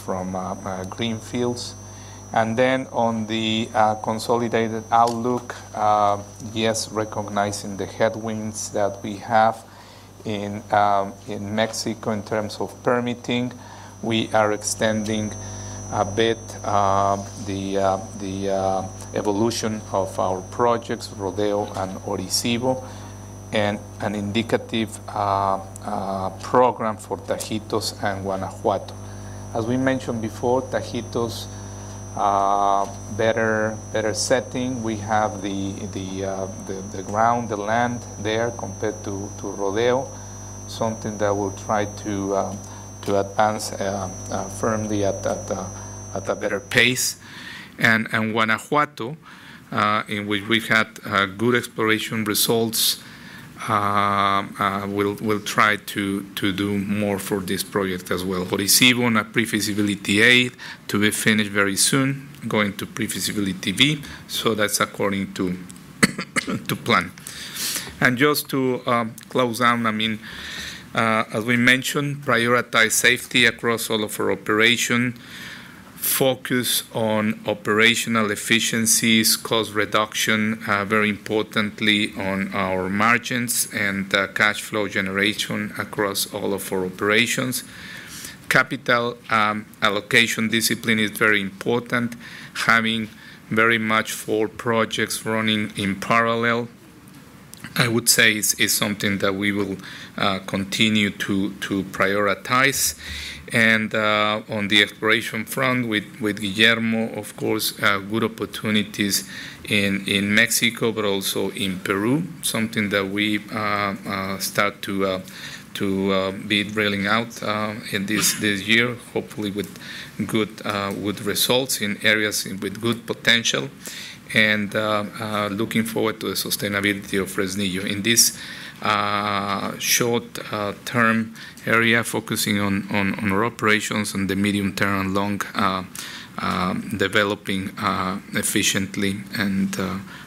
from greenfields. And then on the consolidated outlook, yes, recognizing the headwinds that we have in Mexico in terms of permitting, we are extending a bit the evolution of our projects, Rodeo and Orisyvo, and an indicative program for Tajitos and Guanajuato. As we mentioned before, Tajitos, better setting. We have the ground, the land there compared to Rodeo, something that we'll try to advance firmly at a better pace. And Guanajuato, in which we've had good exploration results, we'll try to do more for this project as well. Orisyvo on a pre-feasibility to be finished very soon, going to feasibility. So that's according to plan. And just to close down, I mean, as we mentioned, prioritize safety across all of our operation, focus on operational efficiencies, cost reduction, very importantly on our margins and cash flow generation across all of our operations. Capital allocation discipline is very important. Having very much four projects running in parallel, I would say, is something that we will continue to prioritize. On the exploration front with Guillermo, of course, good opportunities in Mexico but also in Peru, something that we start to be drilling out in this year, hopefully with good results in areas with good potential. Looking forward to the sustainability of Fresnillo in this short-term area focusing on our operations and the medium term and long, developing efficiently and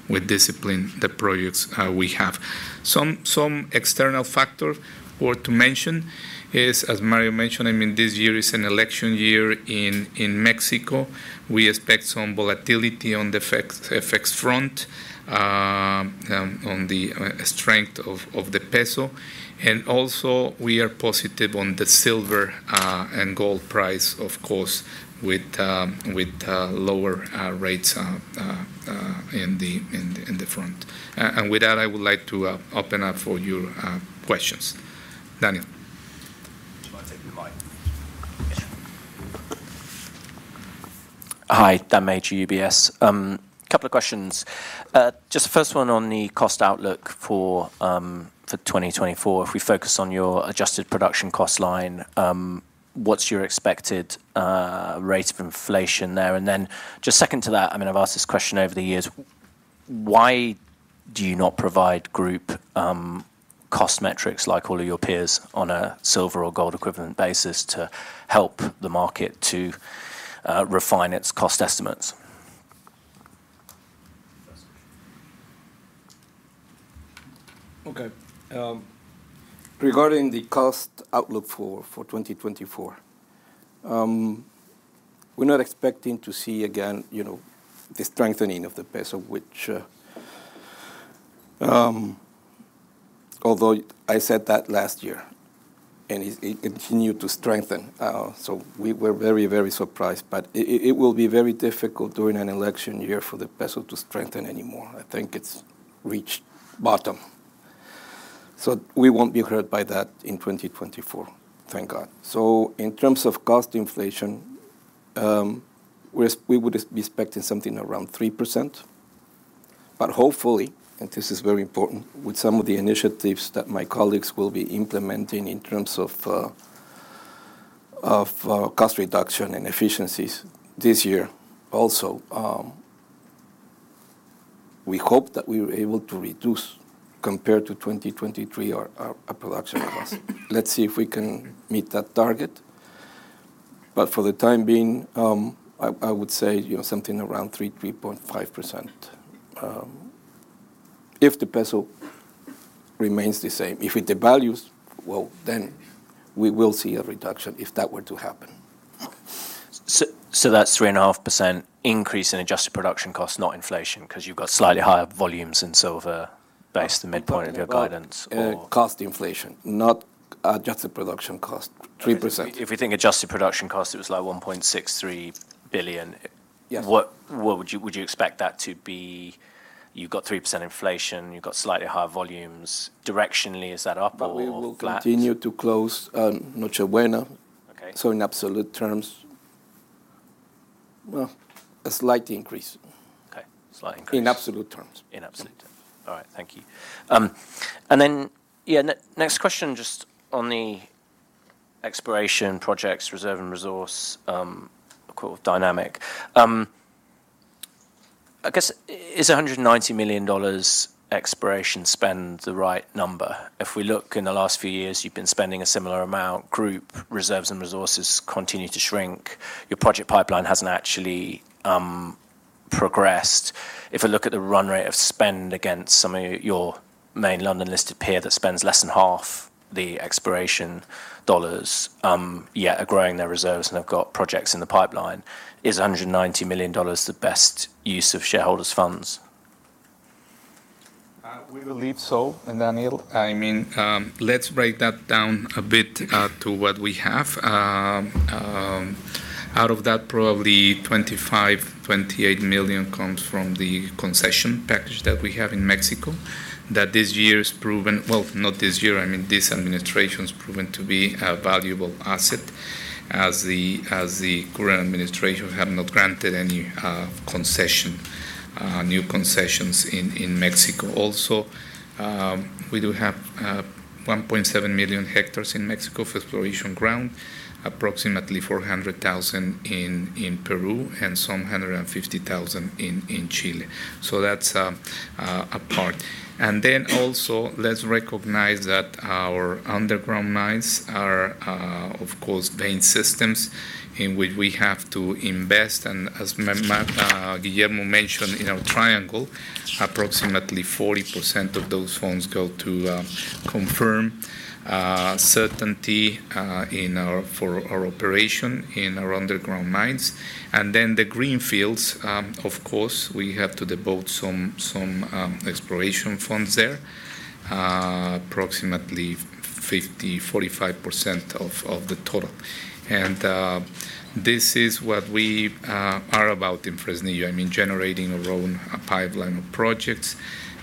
with discipline the projects we have. Some external factor worth to mention is, as Mario mentioned, I mean, this year is an election year in Mexico. We expect some volatility on the effects front, on the strength of the peso. And also, we are positive on the silver and gold price, of course, with lower rates in the front. And with that, I would like to open up for your questions. Daniel. Do you want to take the mic? Hi. Dan Major, UBS. Couple of questions. Just the first one on the cost outlook for 2024. If we focus on your adjusted production cost line, what's your expected rate of inflation there? And then just second to that, I mean, I've asked this question over the years. Why do you not provide group cost metrics like all of your peers on a silver or gold equivalent basis to help the market to refine its cost estimates? Okay. Regarding the cost outlook for 2024, we're not expecting to see again, you know, the strengthening of the peso, which, although I said that last year, and it continued to strengthen, so we were very, very surprised. But it will be very difficult during an election year for the peso to strengthen anymore. I think it's reached bottom. So we won't be hurt by that in 2024, thank God. So in terms of cost inflation, we would be expecting something around 3%. But hopefully, and this is very important, with some of the initiatives that my colleagues will be implementing in terms of cost reduction and efficiencies this year also, we hope that we're able to reduce compared to 2023 our production cost. Let's see if we can meet that target. But for the time being, I would say, you know, something around 3%-3.5%, if the peso remains the same. If it devalues, well, then we will see a reduction if that were to happen. So that's 3.5% increase in adjusted production costs, not inflation, because you've got slightly higher volumes in silver based on the midpoint of your guidance or? Cost inflation, not adjusted production costs, 3%. If we think adjusted production costs, it was like $1.63 billion. Yes. What, what would you would you expect that to be? You've got 3% inflation. You've got slightly higher volumes. Directionally, is that up or flat? But we will continue to close at Noche Buena. Okay. So in absolute terms, well, a slight increase. Okay. Slight increase. In absolute terms. In absolute terms. All right. Thank you. And then, yeah, next question just on the exploration projects, reserve and resource, of course, dynamic. I guess is $190 million exploration spend the right number? If we look in the last few years, you've been spending a similar amount. Group reserves and resources continue to shrink. Your project pipeline hasn't actually, progressed. If I look at the run rate of spend against some of your main London-listed peer that spends less than half the exploration dollars, yet are growing their reserves and have got projects in the pipeline, is $190 million the best use of shareholders' funds? We believe so. And Daniel, I mean, let's break that down a bit, to what we have. Out of that, probably $25-$28 million comes from the concession package that we have in Mexico that this year is proven well, not this year. I mean, this administration has proven to be a valuable asset as the as the current administration have not granted any, concession, new concessions in, in Mexico. Also, we do have, 1.7 million hectares in Mexico for exploration ground, approximately 400,000 in, in Peru and some 150,000 in, in Chile. So that's, apart. Then also, let's recognize that our underground mines are, of course, vein systems in which we have to invest. And as Guillermo mentioned, in our triangle, approximately 40% of those funds go to confirm certainty in our for our operation in our underground mines. And then the greenfields, of course, we have to devote some exploration funds there, approximately 50, 45% of the total. And this is what we are about in Fresnillo. I mean, generating our own pipeline of projects.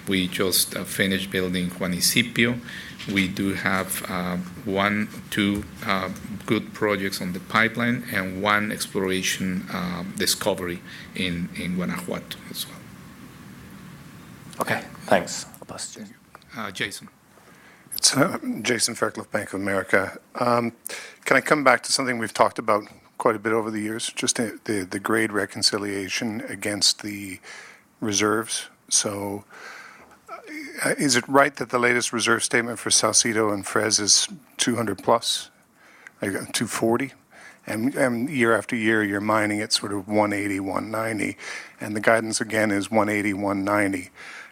We just finished building Juanicipio. We do have one, two good projects on the pipeline and one exploration discovery in Guanajuato as well. Okay. Thanks. I'll pass it to you, Jason. It's Jason Fairclough, Bank of America. Can I come back to something we've talked about quite a bit over the years, just the grade reconciliation against the reserves? So, is it right that the latest reserve statement for Saucito and Fres is 200+, I guess, 240? And year after year, you're mining at sort of 180-190. And the guidance, again, is 180-190.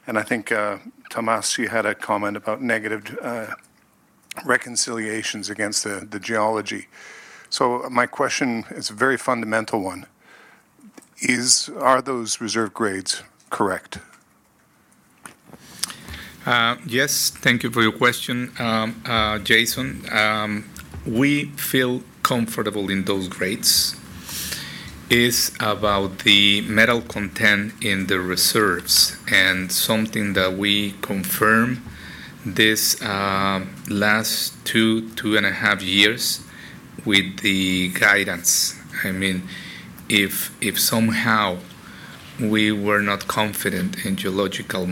And I think, Tameja, you had a comment about negative reconciliations against the geology. So my question is a very fundamental one. Are those reserve grades correct? Yes. Thank you for your question. Jason, we feel comfortable in those grades. It's about the metal content in the reserves and something that we confirm these last two to two and half years with the guidance. I mean, if somehow we were not confident in geological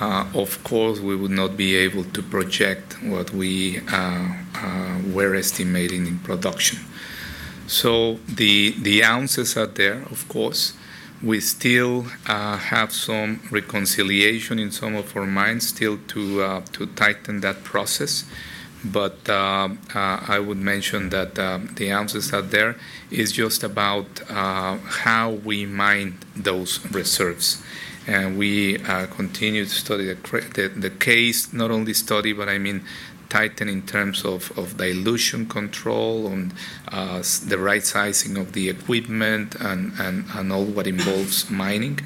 model, of course, we would not be able to project what we were estimating in production. So the ounces are there, of course. We still have some reconciliation in some of our mines still to tighten that process. But I would mention that the ounces are there. It's just about how we mine those reserves. And we continue to study the case, not only study, but I mean, tighten in terms of dilution control and the right sizing of the equipment and all what involves mining.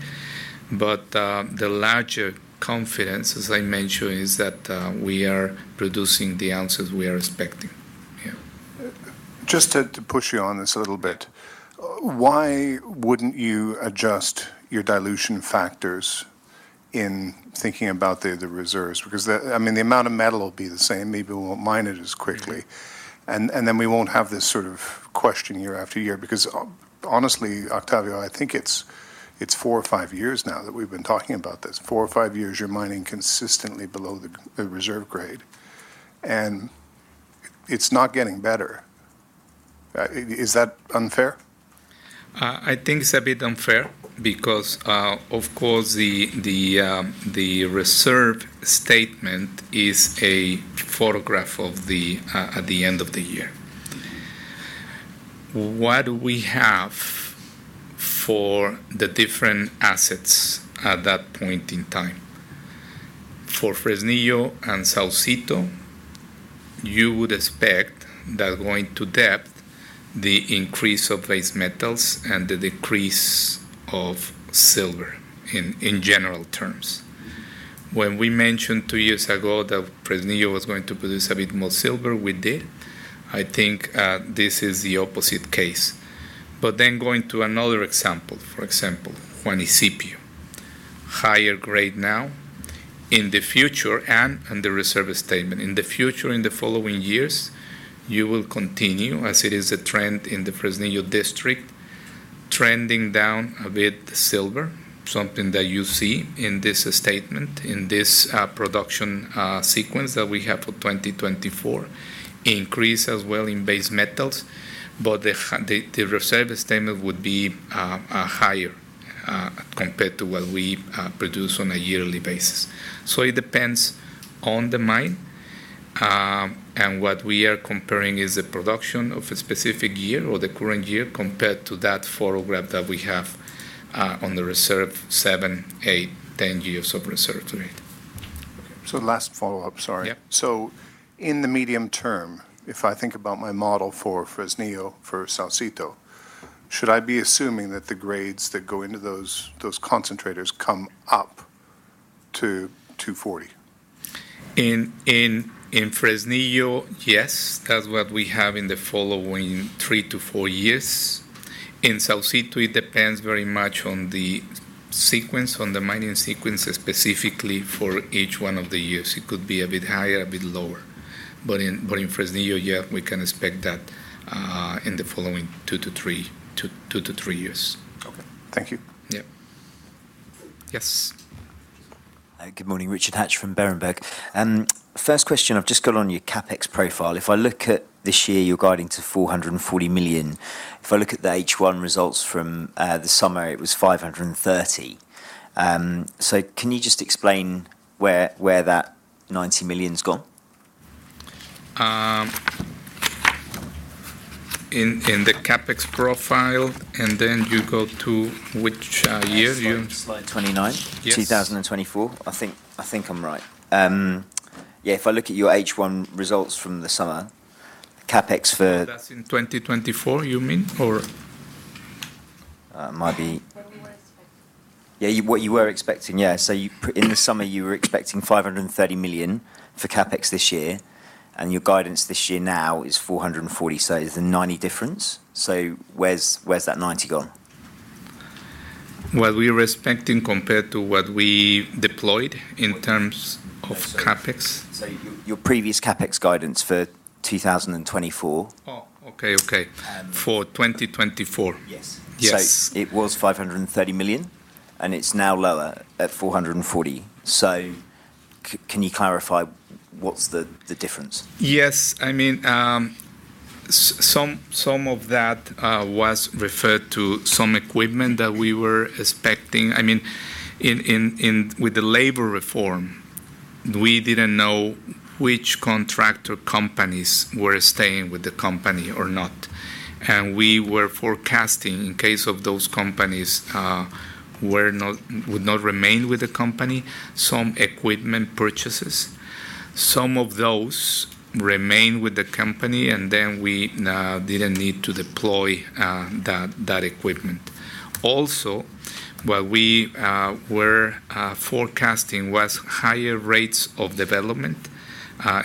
But the larger confidence, as I mentioned, is that we are producing the ounces we are expecting. Yeah. Just to push you on this a little bit, why wouldn't you adjust your dilution factors in thinking about the reserves? Because the I mean, the amount of metal will be the same. Maybe we won't mine it as quickly. And then we won't have this sort of question year after year. Because, honestly, Octavio, I think it's, it's four or five years now that we've been talking about this. Four or five years, you're mining consistently below the, the reserve grade. And it's not getting better. Is that unfair? I think it's a bit unfair because, of course, the, the, the reserve statement is a photograph of the, at the end of the year. What do we have for the different assets at that point in time? For Fresnillo and Saucito, you would expect that going to depth, the increase of base metals and the decrease of silver in, in general terms. When we mentioned two years ago that Fresnillo was going to produce a bit more silver, we did. I think, this is the opposite case. But then going to another example, for example, Juanicipio, higher grade now. In the future and in the reserve statement, in the future, in the following years, you will continue, as it is a trend in the Fresnillo district, trending down a bit silver, something that you see in this statement, in this production sequence that we have for 2024, increase as well in base metals. But the reserve statement would be higher, compared to what we produce on a yearly basis. So it depends on the mine, and what we are comparing is the production of a specific year or the current year compared to that photograph that we have on the reserve seven eight, 10 years of reserve grade. Okay. So last follow-up, sorry. Yeah. So in the medium term, if I think about my model for Fresnillo, for Saucito, should I be assuming that the grades that go into those concentrators come up to 240? In Fresnillo, yes. That's what we have in the following three to four years. In Saucito, it depends very much on the sequence, on the mining sequence specifically for each one of the years. It could be a bit higher, a bit lower. But in Fresnillo, yeah, we can expect that, in the following two to three years. Okay. Thank you. Yeah. Yes. Good morning. Richard Hatch from Berenberg. First question. I've just got on your CapEx profile. If I look at this year, you're guiding to $440 million. If I look at the H1 results from the summer, it was $530 million. So can you just explain where that $90 million's gone? In the CapEx profile, and then you go to which year you? Sorry. Slide 29. 2024. I think I'm right. Yeah. If I look at your H1 results from the summer, CapEx for. That's in 2024, you mean, or? might be. What we were expecting. Yeah. What you were expecting. Yeah. So you in the summer, you were expecting $530 million for CapEx this year. And your guidance this year now is $440 million. So it's the $90 million difference. So where's, where's that $90 million gone? What we're expecting compared to what we deployed in terms of CapEx. So your previous CapEx guidance for 2024. Oh, okay. Okay. For 2024. Yes. Yes. So it was $530 million. And it's now lower at $440 million. So can you clarify what's the, the difference? Yes. I mean, some, some of that, was referred to some equipment that we were expecting. I mean, in, in, in with the labor reform, we didn't know which contractor companies were staying with the company or not. We were forecasting, in case of those companies, were not would not remain with the company, some equipment purchases. Some of those remain with the company. And then we didn't need to deploy, that, that equipment. Also, what we were forecasting was higher rates of development,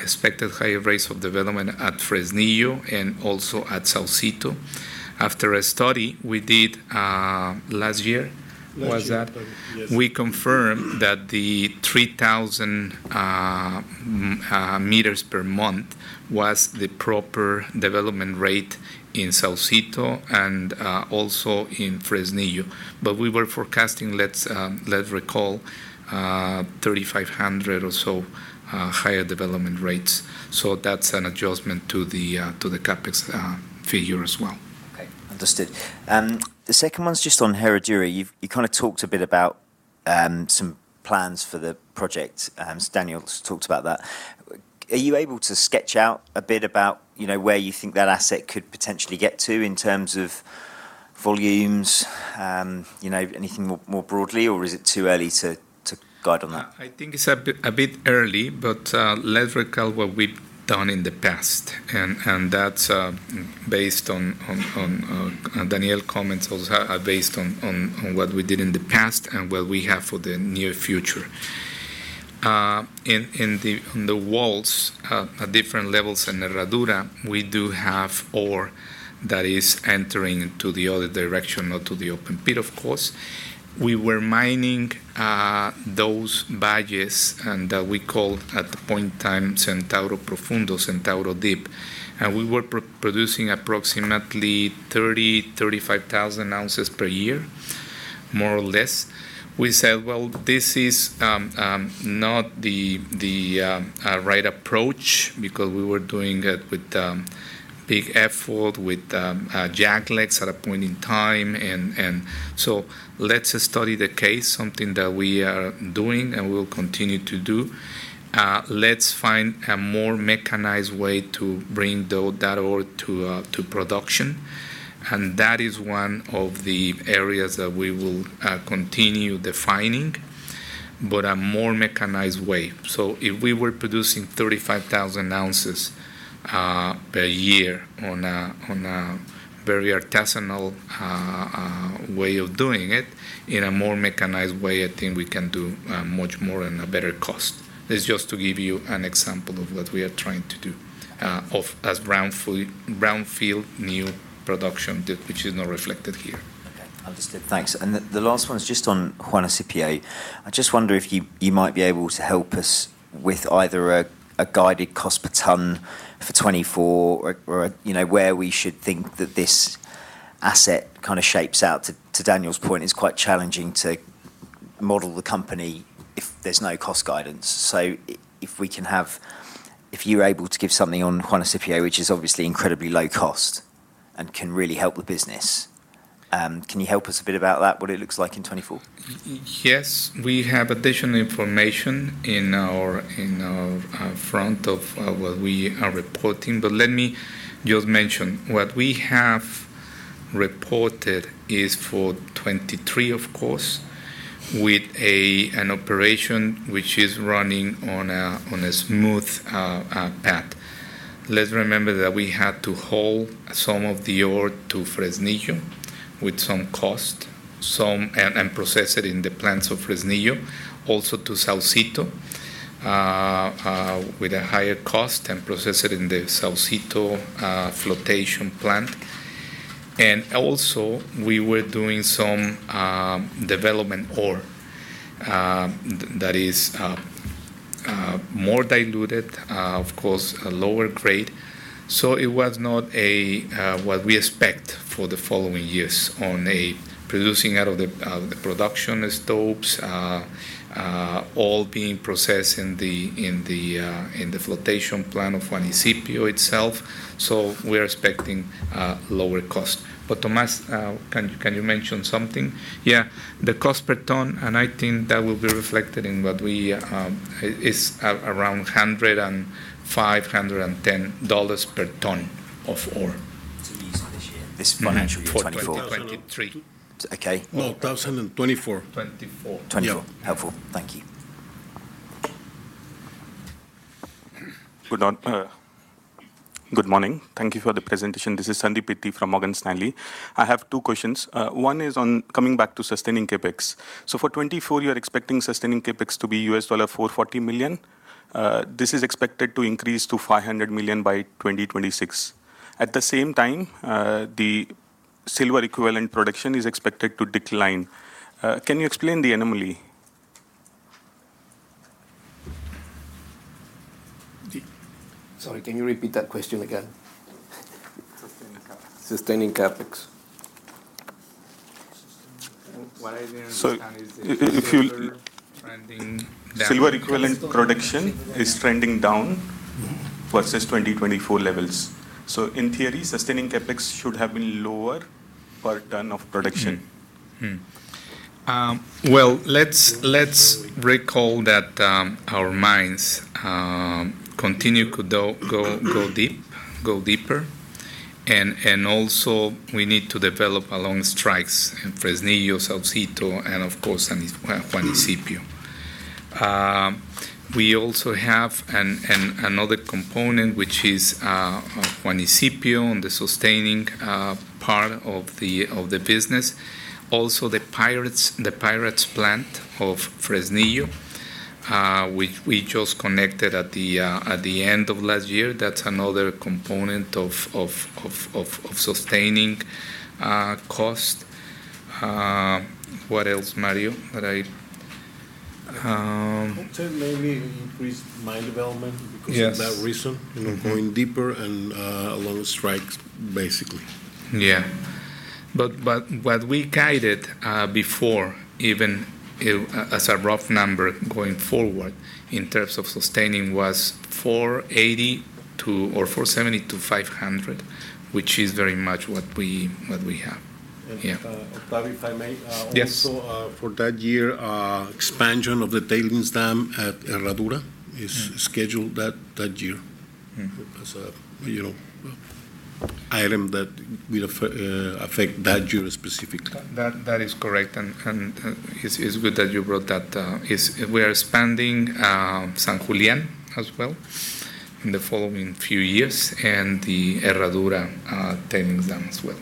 expected higher rates of development at Fresnillo and also at Saucito. After a study we did last year. Was that? Last year, study. Yes. We confirmed that the 3,000 meters per month was the proper development rate in Saucito and also in Fresnillo. But we were forecasting, let's recall, 3,500 or so, higher development rates. So that's an adjustment to the CapEx figure as well. Okay. Understood. The second one's just on Herradura. You kind of talked a bit about some plans for the project. Daniel talked about that. Are you able to sketch out a bit about, you know, where you think that asset could potentially get to in terms of volumes, you know, anything more, more broadly? Or is it too early to, to guide on that? I think it's a bit, a bit early. Let's recall what we've done in the past. And that's, based on, on, on, Daniel's comments also, based on, on, on what we did in the past and what we have for the near future. In the, on the walls, at different levels and Herradura, we do have ore that is entering to the other direction, not to the open pit, of course. We were mining those veins that we call at the point in time, Centauro Profundo, Centauro Deep. And we were producing approximately 30-35,000 ounces per year, more or less. We said, well, this is not the right approach because we were doing it with big effort, with jacklegs at a point in time. And so let's study the case, something that we are doing and we'll continue to do. Let's find a more mechanized way to bring through that ore to production. And that is one of the areas that we will continue defining, but a more mechanized way. So if we were producing 35,000 ounces per year on a very artisanal way of doing it, in a more mechanized way, I think we can do much more and a better cost. It's just to give you an example of what we are trying to do, of as brownfield new production, which is not reflected here. Okay. Understood. Thanks. And the last one's just on Juanicipio. I just wonder if you might be able to help us with either a guided cost per ton for 2024 or, you know, where we should think that this asset kind of shapes out. To Daniel's point, it's quite challenging to model the company if there's no cost guidance. So if you're able to give something on Juanicipio, which is obviously incredibly low cost and can really help the business, can you help us a bit about that, what it looks like in 2024? Yes. We have additional information in our front of what we are reporting. But let me just mention, what we have reported is for 2023, of course, with an operation which is running on a smooth path. Let's remember that we had to haul some of the ore to Fresnillo with some cost, some and process it in the plants of Fresnillo, also to Saucito, with a higher cost and process it in the Saucito flotation plant. And also, we were doing some development ore, that is, more diluted, of course, a lower grade. So it was not a what we expect for the following years on a producing out of the production stops, all being processed in the flotation plant of Juanicipio itself. So we're expecting lower cost. But Tomás, can you mention something? Yeah. The cost per ton, and I think that will be reflected in what we, it's around $105-$110 per ton of ore. Too easy this year, this financial year 2024. For 2023. Okay. No, 2024. 2024. 2024. Helpful. Thank you. Good morning. Thank you for the presentation. This is Sandeep from Morgan Stanley. I have two questions. One is on coming back to sustaining CapEx. So for 2024, you're expecting sustaining CapEx to be $440 million. This is expected to increase to $500 million by 2026. At the same time, the silver equivalent production is expected to decline. Can you explain the anomaly? Sorry. Can you repeat that question again? Sustaining CapEx. Sustaining CapEx. Sustaining CapEx. What I didn't understand is the silver trending down. Silver equivalent production is trending down versus 2024 levels. So in theory, sustaining CapEx should have been lower per ton of production. Well, let's, let's recall that, our mines, continue to go, go, go deep, go deeper. And, and also, we need to develop along strikes in Fresnillo, Saucito, and, of course, Juanicipio. We also have another component, which is Juanicipio on the sustaining part of the business. Also, the pyrites plant of Fresnillo, which we just connected at the end of last year. That's another component of sustaining cost. What else, Mario? That I hopefully maybe increased mine development because of that reason, you know, going deeper and along strikes, basically. Yeah. But what we guided before, even as a rough number going forward in terms of sustaining, was $470-$500, which is very much what we have. Yeah. And, Octavio, if I may, also for that year, expansion of the tailings dam at Herradura is scheduled that year as a, you know, item that would affect that year specifically. That is correct. It's good that you brought that. We are expanding San Julián as well in the following few years and the Herradura Tailings Dam as well.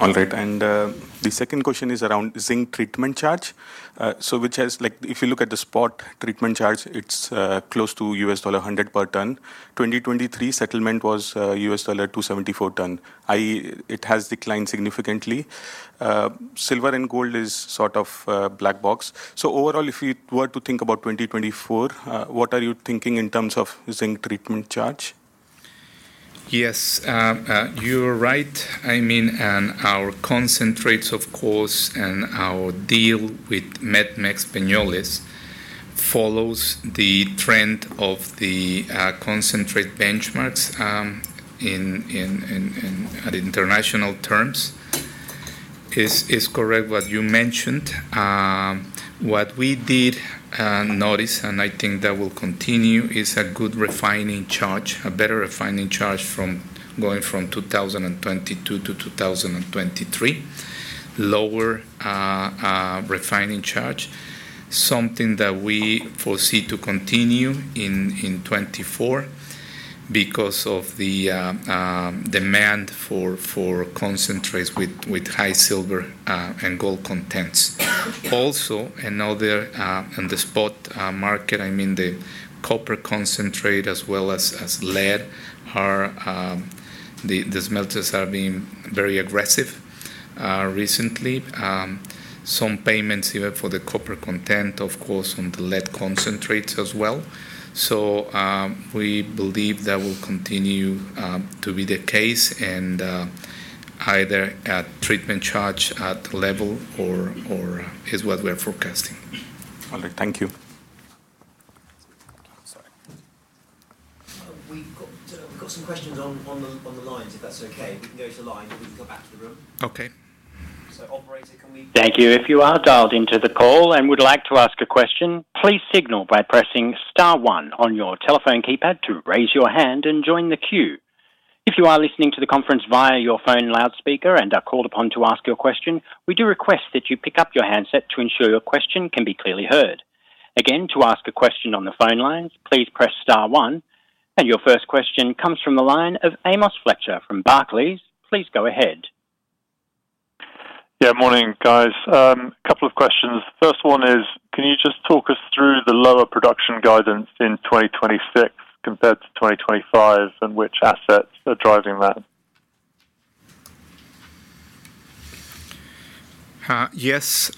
Yeah. All right. The second question is around zinc treatment charge, so which has, like, if you look at the spot treatment charge, it's close to $100 per ton. The 2023 settlement was $274/ton. It has declined significantly. Silver and gold is sort of a black box. So overall, if you were to think about 2024, what are you thinking in terms of zinc treatment charge? Yes. You're right. I mean, and our concentrates, of course, and our deal with Met-Mex Peñoles follows the trend of the concentrate benchmarks in international terms. It's correct what you mentioned. What we did notice, and I think that will continue, is a good refining charge, a better refining charge from going from 2022 to 2023, lower refining charge, something that we foresee to continue in 2024 because of the demand for concentrates with high silver and gold contents. Also, another on the spot market, I mean, the copper concentrate as well as lead are the smelters are being very aggressive recently. Some payments even for the copper content, of course, on the lead concentrates as well. So, we believe that will continue to be the case and either at treatment charge at the level or is what we're forecasting. All right. Thank you. Sorry. We've got some questions on the lines, if that's okay. We can go to the line. We can come back to the room. Okay. So operator, can we? Thank you. If you are dialed into the call and would like to ask a question, please signal by pressing star one on your telephone keypad to raise your hand and join the queue. If you are listening to the conference via your phone loudspeaker and are called upon to ask your question, we do request that you pick up your handset to ensure your question can be clearly heard. Again, to ask a question on the phone lines, please press star one. And your first question comes from the line of Amos Fletcher from Barclays. Please go ahead. Yeah. Morning, guys. Couple of questions. First one is, can you just talk us through the lower production guidance in 2026 compared to 2025 and which assets are driving that? Yes.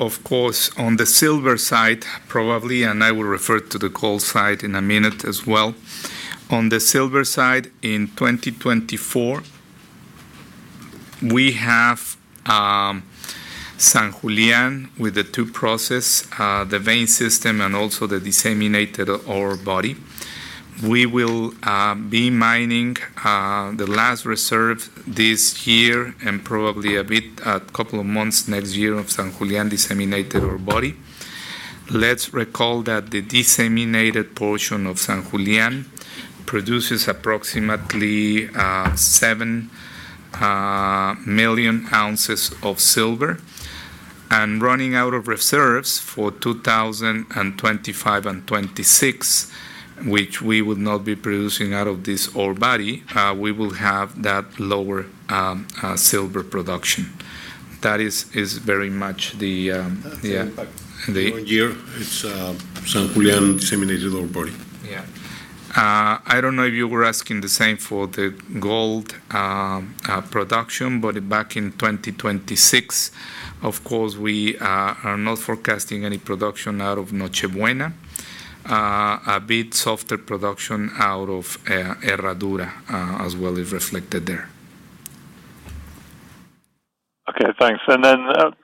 Of course, on the silver side, probably, and I will refer to the gold side in a minute as well. On the silver side, in 2024, we have San Julián with the two process, the vein system and also the disseminated ore body. We will be mining the last reserve this year and probably a bit a couple of months next year of San Julián disseminated ore body. Let's recall that the disseminated portion of San Julián produces approximately 7 million ounces of silver. And running out of reserves for 2025 and 2026, which we would not be producing out of this ore body, we will have that lower silver production. That is very much the, yeah. That's the impact the year it's San Julián disseminated ore body. Yeah. I don't know if you were asking the same for the gold production. But back in 2026, of course, we are not forecasting any production out of Noche Buena. A bit softer production out of Herradura, as well, is reflected there. Okay. Thanks. And then,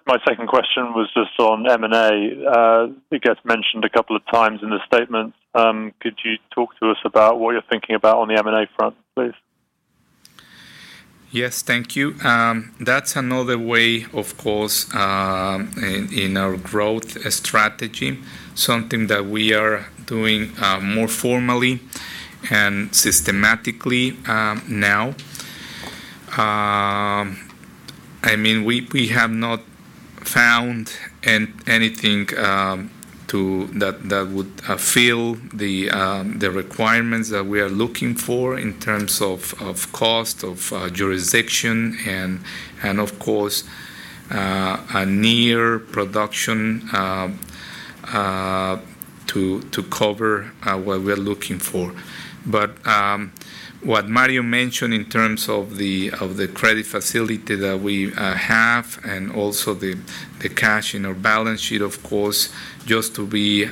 my second question was just on M&A. It gets mentioned a couple of times in the statement. Could you talk to us about what you're thinking about on the M&A front, please? Yes. Thank you. That's another way, of course, in our growth strategy, something that we are doing more formally and systematically now. I mean, we have not found anything that would fill the requirements that we are looking for in terms of cost, of jurisdiction, and, of course, a near production to cover what we're looking for. But what Mario mentioned in terms of the credit facility that we have and also the cash in our balance sheet, of course, just to be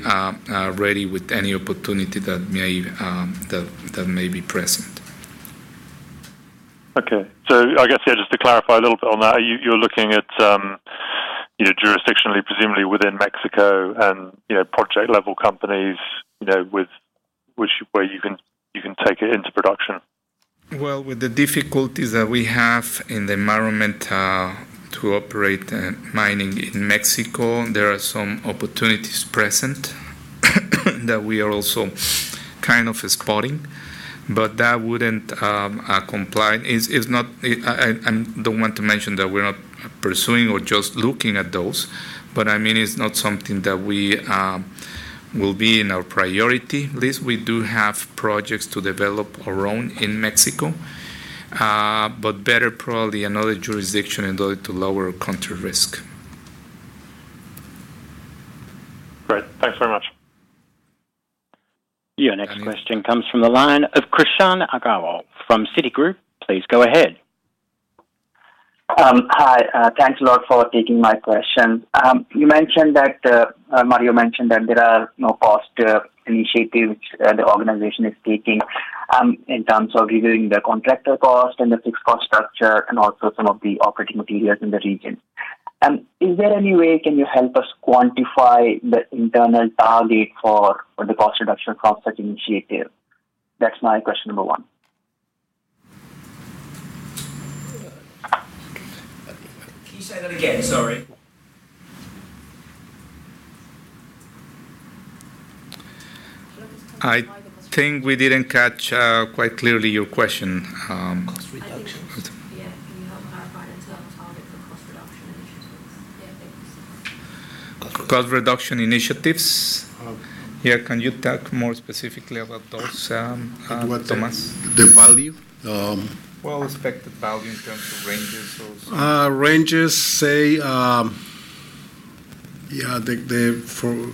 ready with any opportunity that may be present. Okay. So I guess, yeah, just to clarify a little bit on that, you're looking at, you know, jurisdictionally, presumably within Mexico and, you know, project-level companies, you know, with which where you can take it into production? Well, with the difficulties that we have in the environment to operate mining in Mexico, there are some opportunities present that we are also kind of spotting. But that wouldn't comply. It's not. I don't want to mention that we're not pursuing or just looking at those. But I mean, it's not something that we will be in our priority list. We do have projects to develop our own in Mexico, but better probably another jurisdiction in order to lower country risk. Great. Thanks very much. Your next question comes from the line of Krishan Agarwal from Citigroup. Please go ahead. Hi. Thanks a lot for taking my question. You mentioned that, Mario mentioned that there are no cost initiatives the organization is taking, in terms of reviewing the contractor cost and the fixed cost structure and also some of the operating materials in the region. Is there any way can you help us quantify the internal target for the cost reduction from such initiative? That's my question number one. Can you say that again? Sorry. I think we didn't catch, quite clearly your question. Cost reduction. Yeah. Can you help clarify that target for cost reduction initiatives? Yeah. Thank you. Cost reduction initiatives? Yeah. Can you talk more specifically about those, Tomás? The value? Well, expected value in terms of ranges or so. Ranges, say, yeah,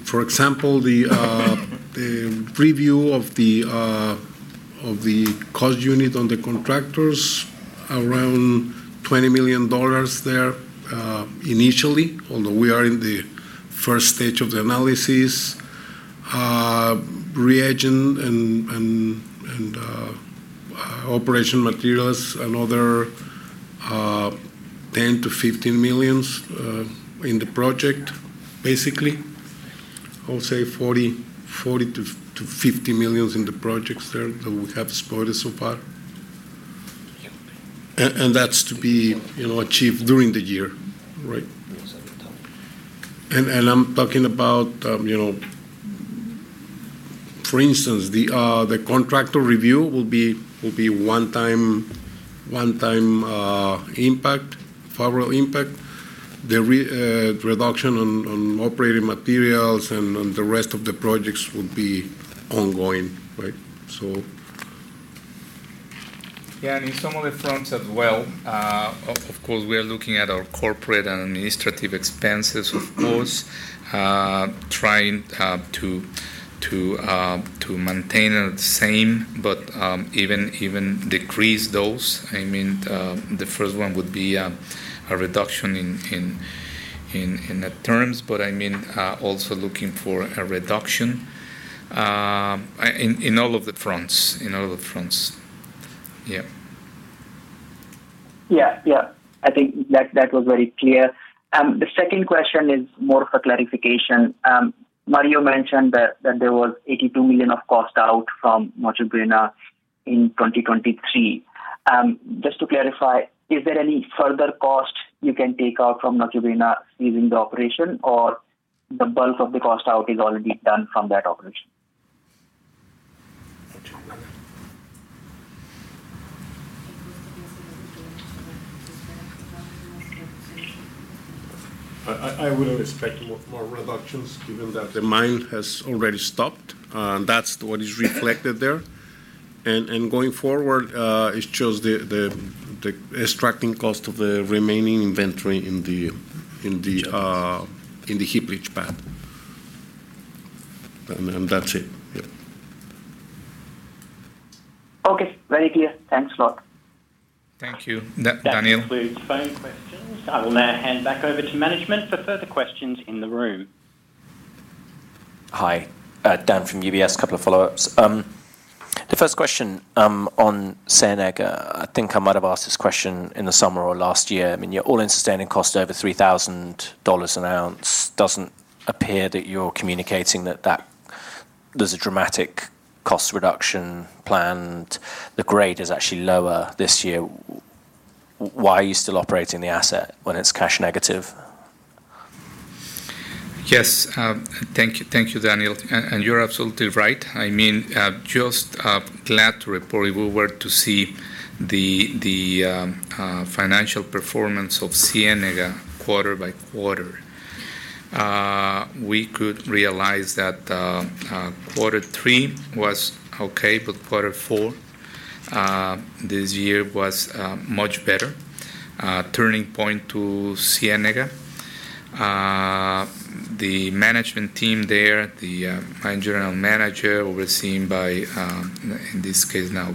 for example, the review of the cost unit on the contractors, around $20 million there, initially, although we are in the first stage of the analysis. Reagent and operation materials and other, $10 million-$15 million in the project, basically. I'll say $40 million-$50 million in the projects there that we have spotted so far. And that's to be, you know, achieved during the year, right? Yes. At the top. And I'm talking about, you know, for instance, the contractor review will be one-time, favorable impact. The reduction on operating materials and the rest of the projects will be ongoing, right? So. Yeah. And in some of the fronts as well, of course, we are looking at our corporate and administrative expenses, of course, trying to maintain at the same but even decrease those. I mean, the first one would be a reduction in the terms. But I mean, also looking for a reduction in all of the fronts. Yeah. Yeah. Yeah. I think that was very clear. The second question is more for clarification. Mario mentioned that there was $82 million of cost out from Noche Buena in 2023. Just to clarify, is there any further cost you can take out from Noche Buena using the operation, or the bulk of the cost out is already done from that operation? I wouldn't expect more reductions given that the mine has already stopped. That's what is reflected there. And going forward, it's just the extracting cost of the remaining inventory in the heap leach pad. And that's it. Yeah .Okay. Very clear. Thanks a lot. Thank you, Daniel. Thanks, please. Fine questions. I will now hand back over to management for further questions in the room. Hi. Dan from UBS. Couple of follow-ups. The first question, on San Agustín. I think I might have asked this question in the summer or last year. I mean, you're all-in sustaining cost over $3,000 an ounce. Doesn't appear that you're communicating that there's a dramatic cost reduction planned. The grade is actually lower this year. Why are you still operating the asset when it's cash negative? Yes. Thank you, Daniel. And you're absolutely right. I mean just glad to report if we were to see the financial performance of Saucito quarter by quarter, we could realize that quarter three was okay, but quarter four this year was much better, turning point to Saucito. The management team there, my general manager overseen by in this case now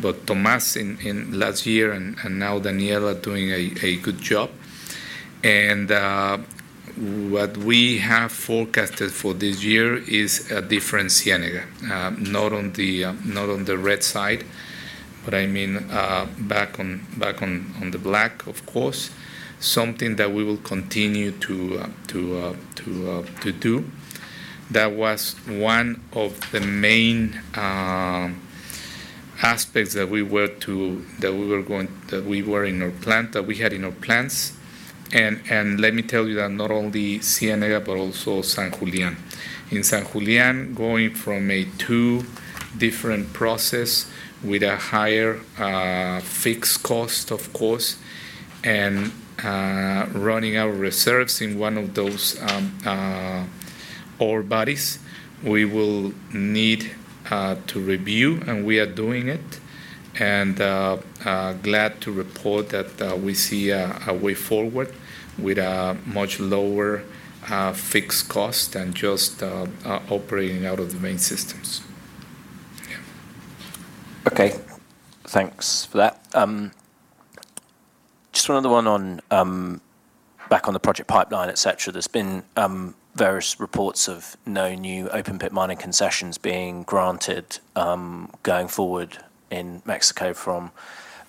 but Tomás in last year and now Daniel doing a good job. What we have forecasted for this year is a different Saucito, not on the red side, but I mean back on the black, of course, something that we will continue to do. That was one of the main aspects that we were going to do that we had in our plans. Let me tell you that not only Saucito but also San Julián. In San Julián, going from a two different process with a higher fixed cost, of course, and running out of reserves in one of those ore bodies, we will need to review, and we are doing it. Glad to report that we see a way forward with a much lower fixed cost than just operating out of the main systems. Yeah. Okay. Thanks for that. Just another one, back on the project pipeline, etc. There's been various reports of no new open-pit mining concessions being granted going forward in Mexico from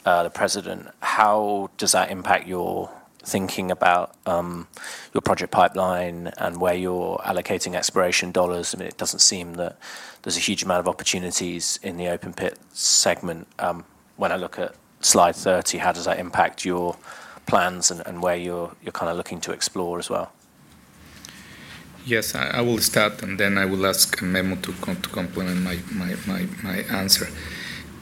the president. How does that impact your thinking about your project pipeline and where you're allocating exploration dollars? I mean, it doesn't seem that there's a huge amount of opportunities in the open-pit segment. When I look at slide 30, how does that impact your plans and where you're kind of looking to explore as well? Yes. I will start, and then I will ask Memo to complement my answer.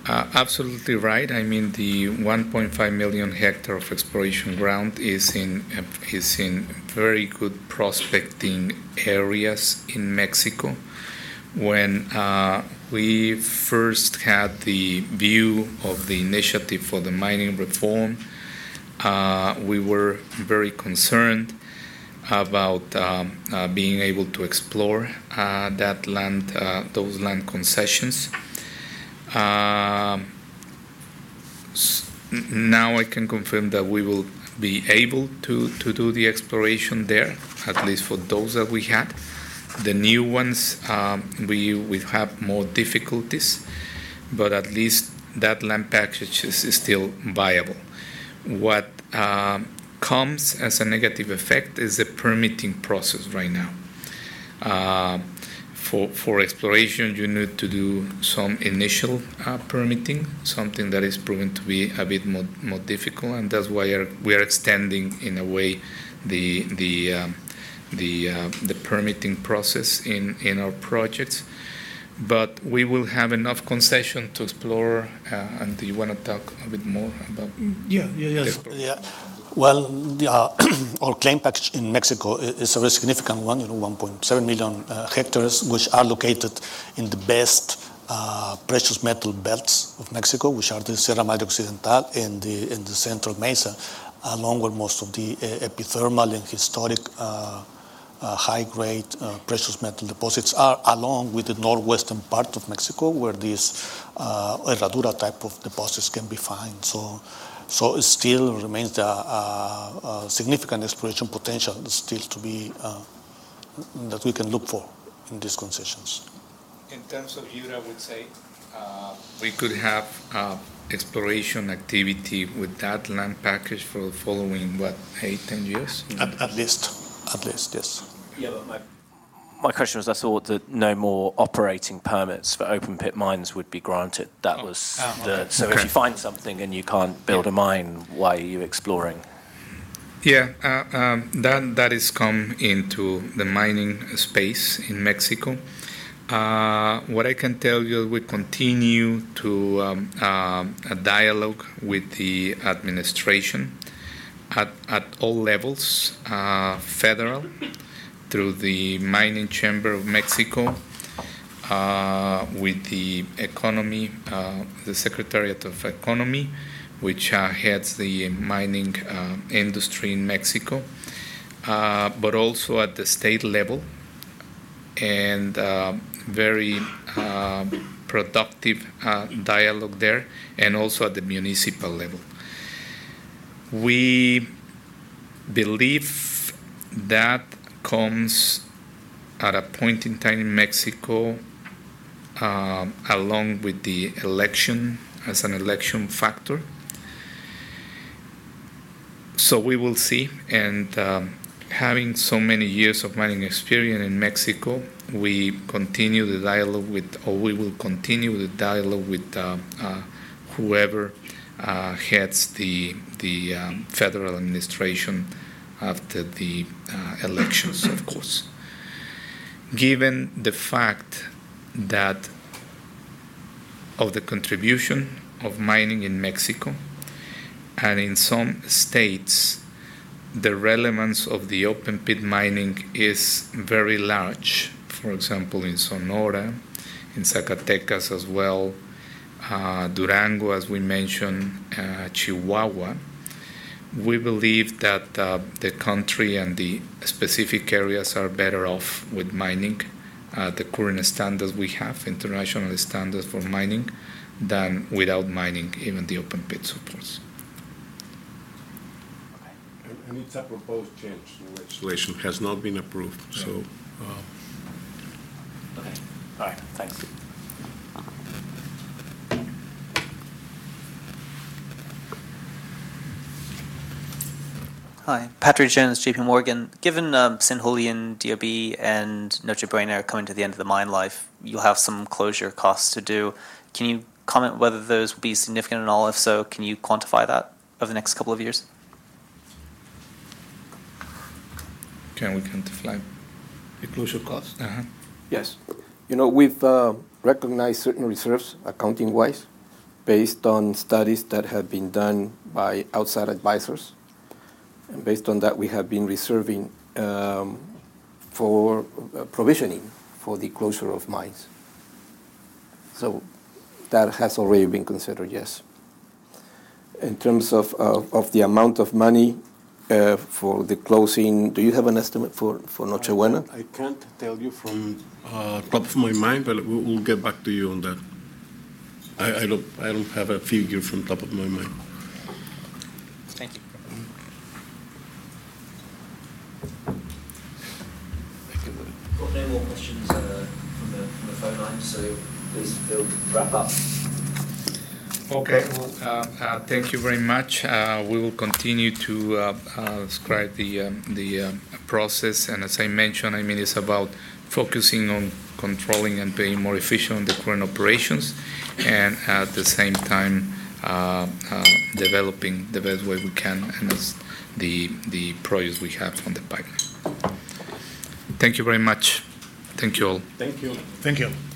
Absolutely right. I mean, the 1.5 million hectares of exploration ground is in very good prospecting areas in Mexico. When we first had the view of the initiative for the mining reform, we were very concerned about being able to explore that land, those land concessions. Now I can confirm that we will be able to do the exploration there, at least for those that we had. The new ones, we would have more difficulties. But at least that land package is still viable. What comes as a negative effect is the permitting process right now. For exploration, you need to do some initial permitting, something that is proven to be a bit more difficult. And that's why we are extending, in a way, the permitting process in our projects. But we will have enough concession to explore, and do you want to talk a bit more about exploration? Yeah. Well, our claim package in Mexico is a very significant one, you know, 1.7 million hectares, which are located in the best precious metal belts of Mexico, which are the Sierra Madre Occidental and the Central Mesa, along with most of the epithermal and historic high-grade precious metal deposits are along with the northwestern part of Mexico where these Herradura type of deposits can be found. So, it still remains a significant exploration potential still to be that we can look for in these concessions. In terms of, I would say, we could have exploration activity with that land package for the following 8-10 years? At least. Yes. Yeah. But my question was I thought that no more operating permits for open-pit mines would be granted. That was. So if you find something and you can't build a mine, why are you exploring? Yeah. That has come into the mining space in Mexico. What I can tell you is we continue to dialogue with the administration at all levels, federal, through the Mining Chamber of Mexico, with the economy, the Secretariat of Economy, which heads the mining industry in Mexico, but also at the state level. Very productive dialogue there. And also at the municipal level. We believe that comes at a point in time in Mexico, along with the election as an election factor. So we will see. And, having so many years of mining experience in Mexico, we continue the dialogue with or we will continue the dialogue with, whoever, heads the, the, federal administration after the, elections, of course, given the fact that of the contribution of mining in Mexico and in some states, the relevance of the open-pit mining is very large, for example, in Sonora, in Zacatecas as well, Durango, as we mentioned, Chihuahua. We believe that, the country and the specific areas are better off with mining, the current standards we have, international standards for mining, than without mining, even the open-pit, of course. Okay. And, and it's a proposed change. Legislation has not been approved. So, Okay. All right. Thanks. Hi. Patrick Jones, JP Morgan. Given San Julián, DOB, and Noche Buena are coming to the end of the mine life, you'll have some closure costs to do. Can you comment whether those will be significant at all? If so, can you quantify that over the next couple of years? Can we quantify the closure costs? Yes. You know, we've recognized certain reserves accounting-wise based on studies that have been done by outside advisors. And based on that, we have been reserving for provisioning for the closure of mines. So that has already been considered. Yes. In terms of the amount of money for the closing, do you have an estimate for Noche Buena? I can't tell you from top of my mind, but we'll get back to you on that. I don't have a figure from top of my mind. Thank you. Thank you. Got no more questions from the phone lines. So please, we'll wrap up. Okay. Well, thank you very much. We will continue to describe the process. And as I mentioned, I mean, it's about focusing on controlling and being more efficient on the current operations and, at the same time, developing the best way we can and the projects we have on the pipeline. Thank you very much. Thank you all. Thank you. Thank you.